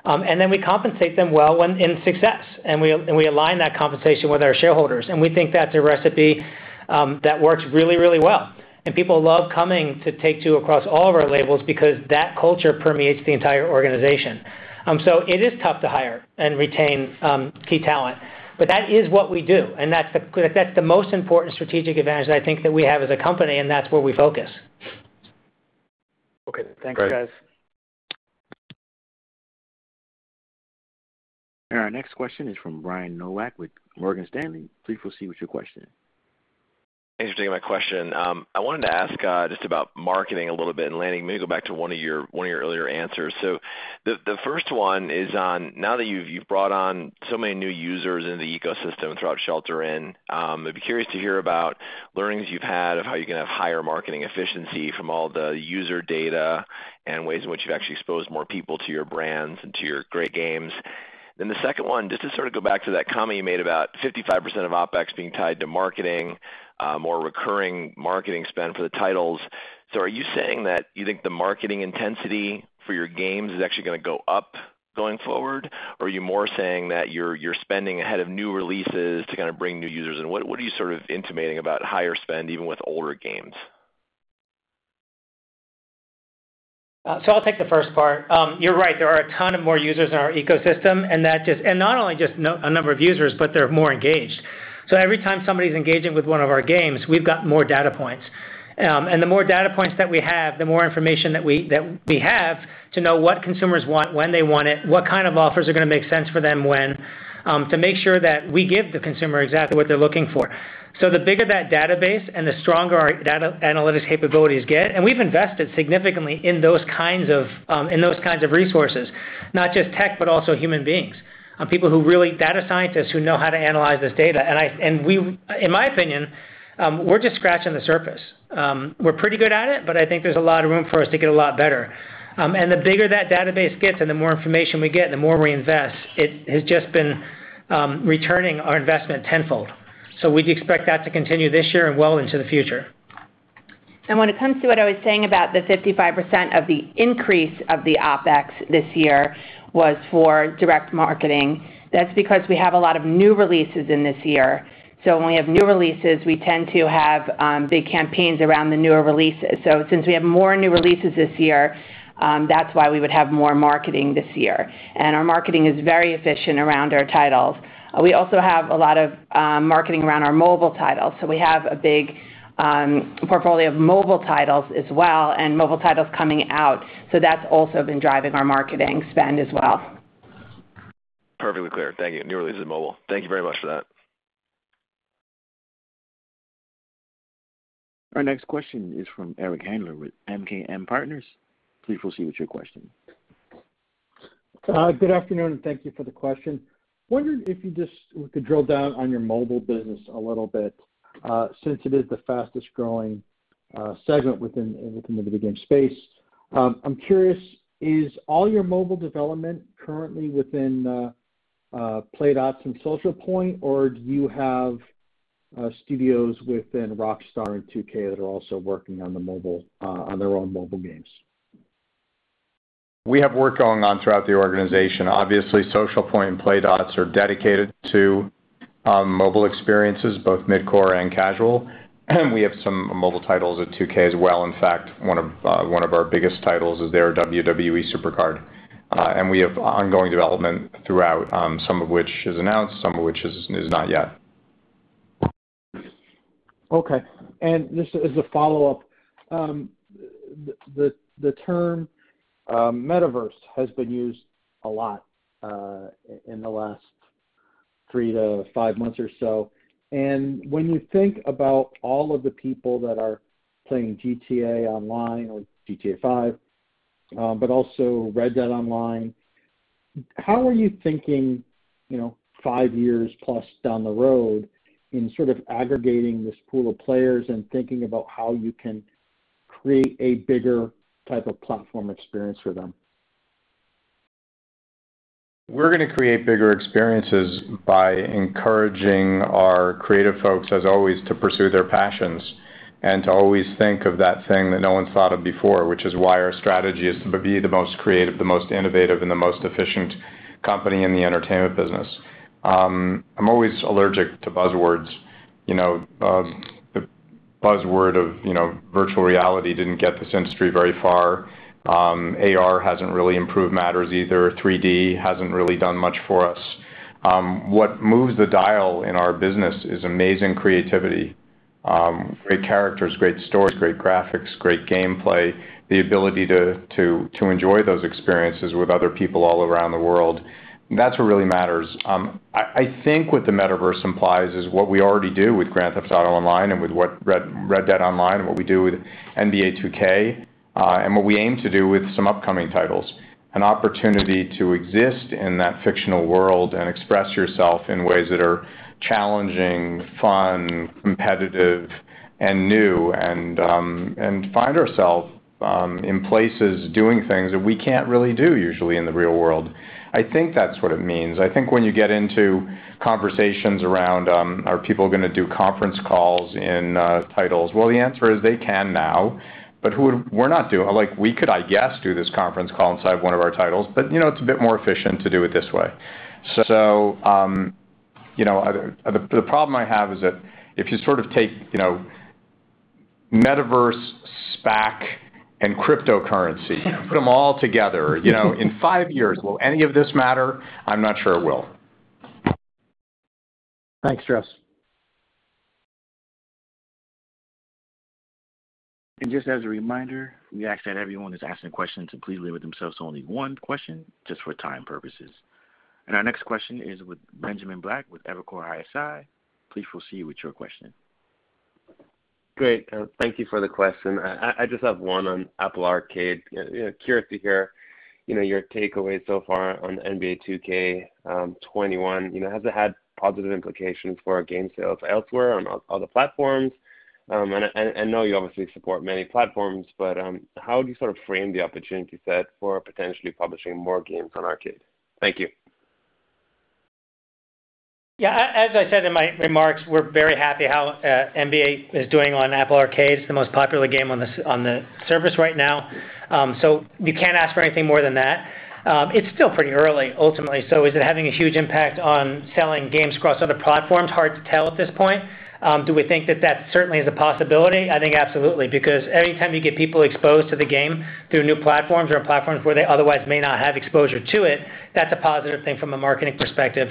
We compensate them well when in success. We align that compensation with our shareholders. We think that's a recipe that works really well. People love coming to Take-Two across all of our labels because that culture permeates the entire organization. It is tough to hire and retain key talent, but that is what we do, and that's the most important strategic advantage I think that we have as a company, and that's where we focus. Okay. Thanks, guys. Our next question is from Brian Nowak with Morgan Stanley. Please proceed with your question. Interesting. My question, I wanted to ask just about marketing a little bit maybe go back to one of your earlier answers. The first one is on now that you've brought on so many new users into the ecosystem throughout shelter-in, I'd be curious to hear about learnings you've had of how you can have higher marketing efficiency from all the user data and ways in which you actually expose more people to your brands and to your great games. The second one, just to sort of go back to that comment you made about 55% of OpEx being tied to marketing, more recurring marketing spend for the titles. Are you saying that you think the marketing intensity for your games is actually going to go up going forward? Are you more saying that you're spending ahead of new releases to kind of bring new users in? What are you sort of intimating about higher spend even with older games? I'll take the first part. You're right. There are a ton of more users in our ecosystem and not only just a number of users, but they're more engaged. Every time somebody's engaging with one of our games, we've got more data points. The more data points that we have, the more information that we have to know what consumers want, when they want it, what kind of offers are going to make sense for them when, to make sure that we give the consumer exactly what they're looking for. The bigger that database and the stronger our analytics capabilities get, and we've invested significantly in those kinds of resources. Not just tech, but also human beings, people who data scientists who know how to analyze this data. In my opinion, we're just scratching the surface. We're pretty good at it, but I think there's a lot of room for us to get a lot better. The bigger that database gets and the more information we get and the more we invest, it has just been returning our investment tenfold. We'd expect that to continue this year and well into the future. When it comes to what I was saying about the 55% of the increase of the OpEx this year was for direct marketing, that's because we have a lot of new releases in this year. When we have new releases, we tend to have big campaigns around the newer releases. Since we have more new releases this year, that's why we would have more marketing this year. Our marketing is very efficient around our titles. We also have a lot of marketing around our mobile titles. We have a big portfolio of mobile titles as well, and mobile titles coming out. That's also been driving our marketing spend as well. Perfectly clear. Thank you. New releases and mobile. Thank you very much for that. Our next question is from Eric Handler with MKM Partners. Please proceed with your question. Good afternoon. Thank you for the question. Wondering if we could drill down on your mobile business a little bit, since it is the fastest growing segment within the video game space. I'm curious, is all your mobile development currently within Playdots and Socialpoint, or do you have studios within Rockstar and 2K that are also working on their own mobile games? We have work going on throughout the organization. Obviously, Socialpoint and Playdots are dedicated to mobile experiences, both mid-core and casual. We have some mobile titles at 2K as well. In fact, one of our biggest titles is their "WWE SuperCard." We have ongoing development throughout, some of which is announced, some of which is not yet. Okay. Just as a follow-up. The term metaverse has been used a lot in the last three to five months or so. When you think about all of the people that are playing "GTA Online" or "GTA V," but also "Red Dead Online," how are you thinking, 5+ years down the road in sort of aggregating this pool of players and thinking about how you can create a bigger type of platform experience for them? We're going to create bigger experiences by encouraging our creative folks, as always, to pursue their passions and to always think of that thing that no one's thought of before, which is why our strategy is to be the most creative, the most innovative, and the most efficient company in the entertainment business. I'm always allergic to buzzwords. The buzzword of virtual reality didn't get this industry very far. AR hasn't really improved matters either. 3D hasn't really done much for us. What moves the dial in our business is amazing creativity great characters, great stories, great graphics, great gameplay, the ability to enjoy those experiences with other people all around the world. That's what really matters. I think what the metaverse implies is what we already do with Grand Theft Auto Online and with Red Dead Online and what we do with NBA 2K, and what we aim to do with some upcoming titles. An opportunity to exist in that fictional world and express yourself in ways that are challenging, fun, competitive, and new, and find ourselves in places doing things that we can't really do usually in the real world. I think that's what it means. I think when you get into conversations around are people going to do conference calls in titles. Well, the answer is they can now. We could, I guess, do this conference call inside one of our titles, but it's a bit more efficient to do it this way. The problem I have is that if you take metaverse, SPAC, and cryptocurrency, put them all together. In five years, will any of this matter? I'm not sure it will. Thanks, Strauss. Just as a reminder, we ask that everyone who's asking questions to please limit themselves to only one question just for time purposes. Our next question is with Benjamin Black with Evercore ISI. Please proceed with your question. Great. Thank you for the question. I just have one on Apple Arcade. Curiosity here, your takeaway so far on NBA 2K21. Has it had positive implications for game sales elsewhere on other platforms? I know you obviously support many platforms, but how would you frame the opportunity set for potentially publishing more games on Arcade? Thank you. Yeah. As I said in my remarks, we're very happy how NBA is doing on Apple Arcade. It's the most popular game on the service right now. We can't ask for anything more than that. It's still pretty early, ultimately. Is it having a huge impact on selling games across other platforms? Hard to tell at this point. Do we think that that certainly is a possibility? I think absolutely. Because every time you get people exposed to the game through new platforms or platforms where they otherwise may not have exposure to it, that's a positive thing from a marketing perspective.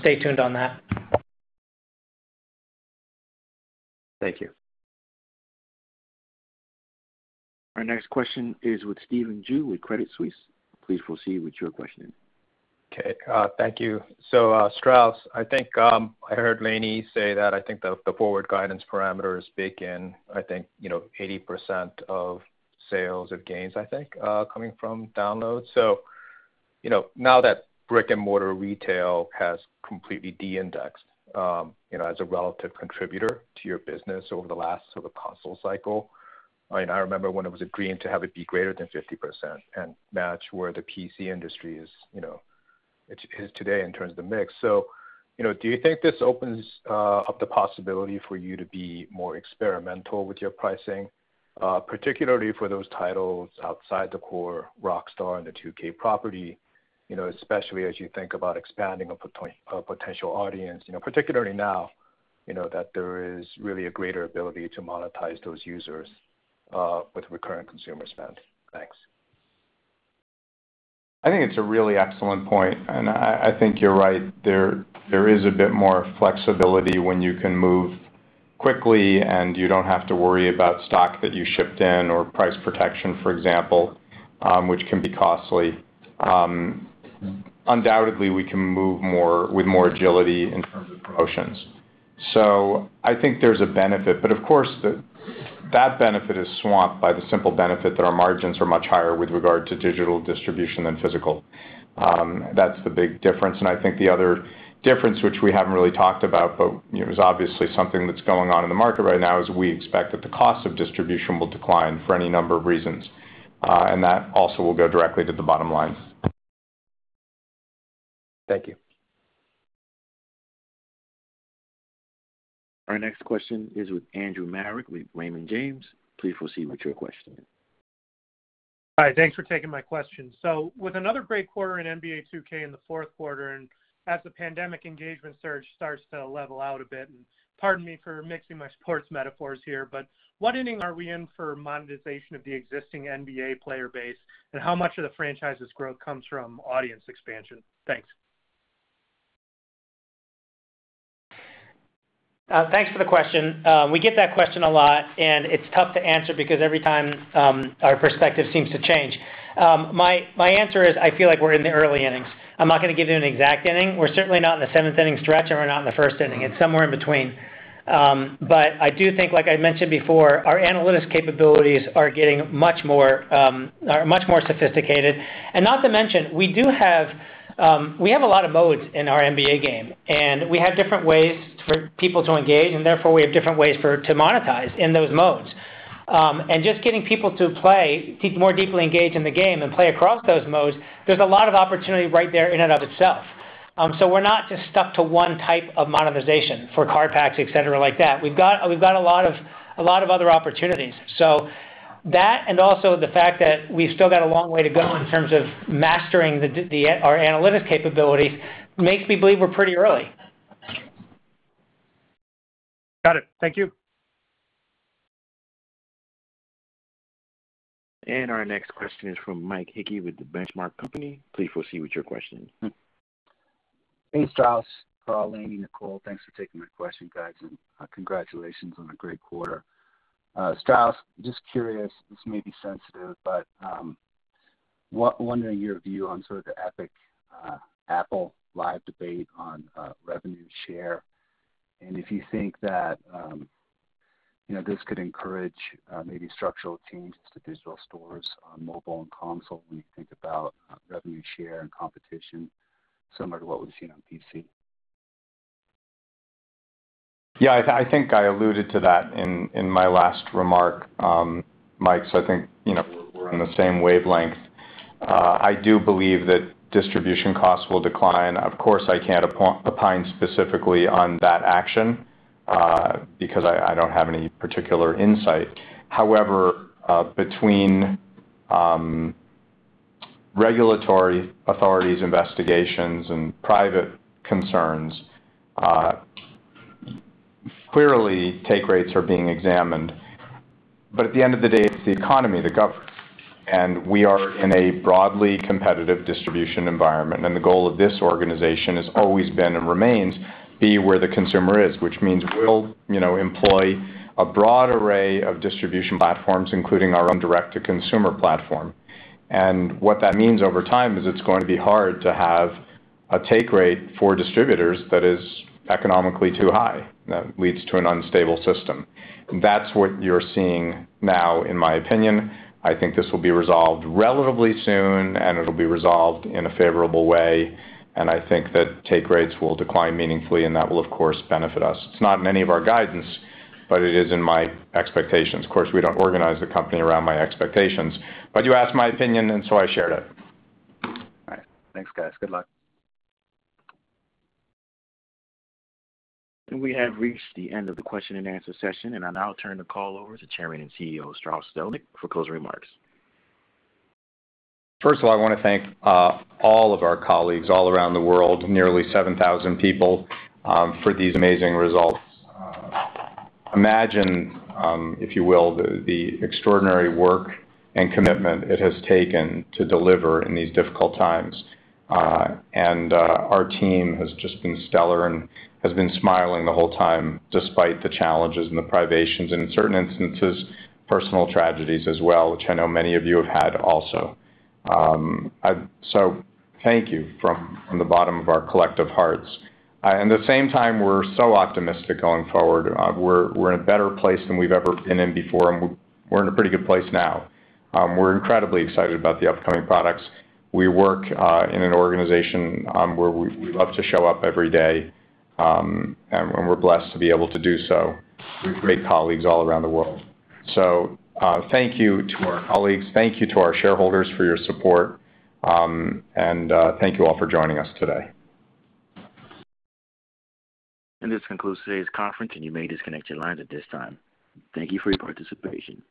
Stay tuned on that. Thank you. Our next question is with Stephen Ju with Credit Suisse. Please proceed with your question. Okay. Thank you. Strauss, I think I heard Lainie say that I think the forward guidance parameters bake in, I think, 80% of sales of games, I think, coming from downloads. Now that brick-and-mortar retail has completely de-indexed as a relative contributor to your business over the last console cycle. I remember when it was a dream to have it be greater than 50%, and that's where the PC industry is today in terms of mix. Do you think this opens up the possibility for you to be more experimental with your pricing, particularly for those titles outside the core Rockstar and the 2K property, especially as you think about expanding a potential audience, particularly now that there is really a greater ability to monetize those users with recurrent consumer spend? Thanks. I think it's a really excellent point, and I think you're right. There is a bit more flexibility when you can move quickly and you don't have to worry about stock that you shipped in or price protection, for example, which can be costly. Undoubtedly, we can move with more agility in terms of promotions. I think there's a benefit, but of course, that benefit is swamped by the simple benefit that our margins are much higher with regard to digital distribution than physical. That's the big difference. I think the other difference, which we haven't really talked about, but is obviously something that's going on in the market right now is we expect that the cost of distribution will decline for any number of reasons. That also will go directly to the bottom line. Thank you. Our next question is with Andrew Marok with Raymond James. Please proceed with your question. Hi. Thanks for taking my question. With another great quarter in NBA 2K in the fourth quarter, and as the pandemic engagement surge starts to level out a bit, and pardon me for mixing my sports metaphors here, but what inning are we in for monetization of the existing NBA player base, and how much of the franchise's growth comes from audience expansion? Thanks. Thanks for the question. We get that question a lot. It's tough to answer because every time our perspective seems to change. My answer is I feel like we're in the early innings. I'm not going to give you an exact inning. We're certainly not in the seventh inning stretch. We're not in the first inning. It's somewhere in between. I do think, like I mentioned before, our analytics capabilities are much more sophisticated. Not to mention, we have a lot of modes in our NBA game, and we have different ways for people to engage, and therefore we have different ways to monetize in those modes. Just getting people to play, people more deeply engaged in the game and play across those modes, there's a lot of opportunity right there in and of itself. We're not just stuck to one type of monetization for card packs, et cetera like that. We've got a lot of other opportunities. That, and also the fact that we've still got a long way to go in terms of mastering our analytics capabilities makes me believe we're pretty early. Got it. Thank you. Our next question is from Mike Hickey with The Benchmark Company. Please proceed with your question. Hey, Strauss, Karl, Lainie, Nicole. Thanks for taking my question, guys, and congratulations on a great quarter. Strauss, just curious, this may be sensitive, but wondering your view on sort of the Epic-Apple live debate on revenue share and if you think that this could encourage maybe structural changes to digital stores on mobile and console when you think about revenue share and competition similar to what we've seen on PC. Yeah, I think I alluded to that in my last remark, Mike. I think we're on the same wavelength. I do believe that distribution costs will decline. Of course, I can't opine specifically on that action because I don't have any particular insight. However, between regulatory authorities' investigations and private concerns, clearly take rates are being examined. At the end of the day, it's the economy that governs. We are in a broadly competitive distribution environment, and the goal of this organization has always been and remains be where the consumer is, which means we'll employ a broad array of distribution platforms, including our own direct-to-consumer platform. What that means over time is it's going to be hard to have a take rate for distributors that is economically too high. That leads to an unstable system. That's what you're seeing now, in my opinion. I think this will be resolved relatively soon, and it'll be resolved in a favorable way. I think that take rates will decline meaningfully, and that will, of course, benefit us. It's not in any of our guidance, but it is in my expectations. Of course, we don't organize the company around my expectations, but you asked my opinion and so I shared it. All right. Thanks, guys. Good luck. We have reached the end of the question-and-answer session, and I'll now turn the call over to Chairman and CEO, Strauss Zelnick, for closing remarks. I want to thank all of our colleagues all around the world, nearly 7,000 people, for these amazing results. Imagine, if you will, the extraordinary work and commitment it has taken to deliver in these difficult times. Our team has just been stellar and has been smiling the whole time despite the challenges and the privations, and in certain instances, personal tragedies as well, which I know many of you have had also. Thank you from the bottom of our collective hearts. At the same time, we're so optimistic going forward. We're in a better place than we've ever been in before, and we're in a pretty good place now. We're incredibly excited about the upcoming products. We work in an organization where we love to show up every day, and we're blessed to be able to do so with great colleagues all around the world. Thank you to our colleagues. Thank you to our shareholders for your support. Thank you all for joining us today. And this concludes today's conference. You may disconnect your lines at this time. Thank you for your participation.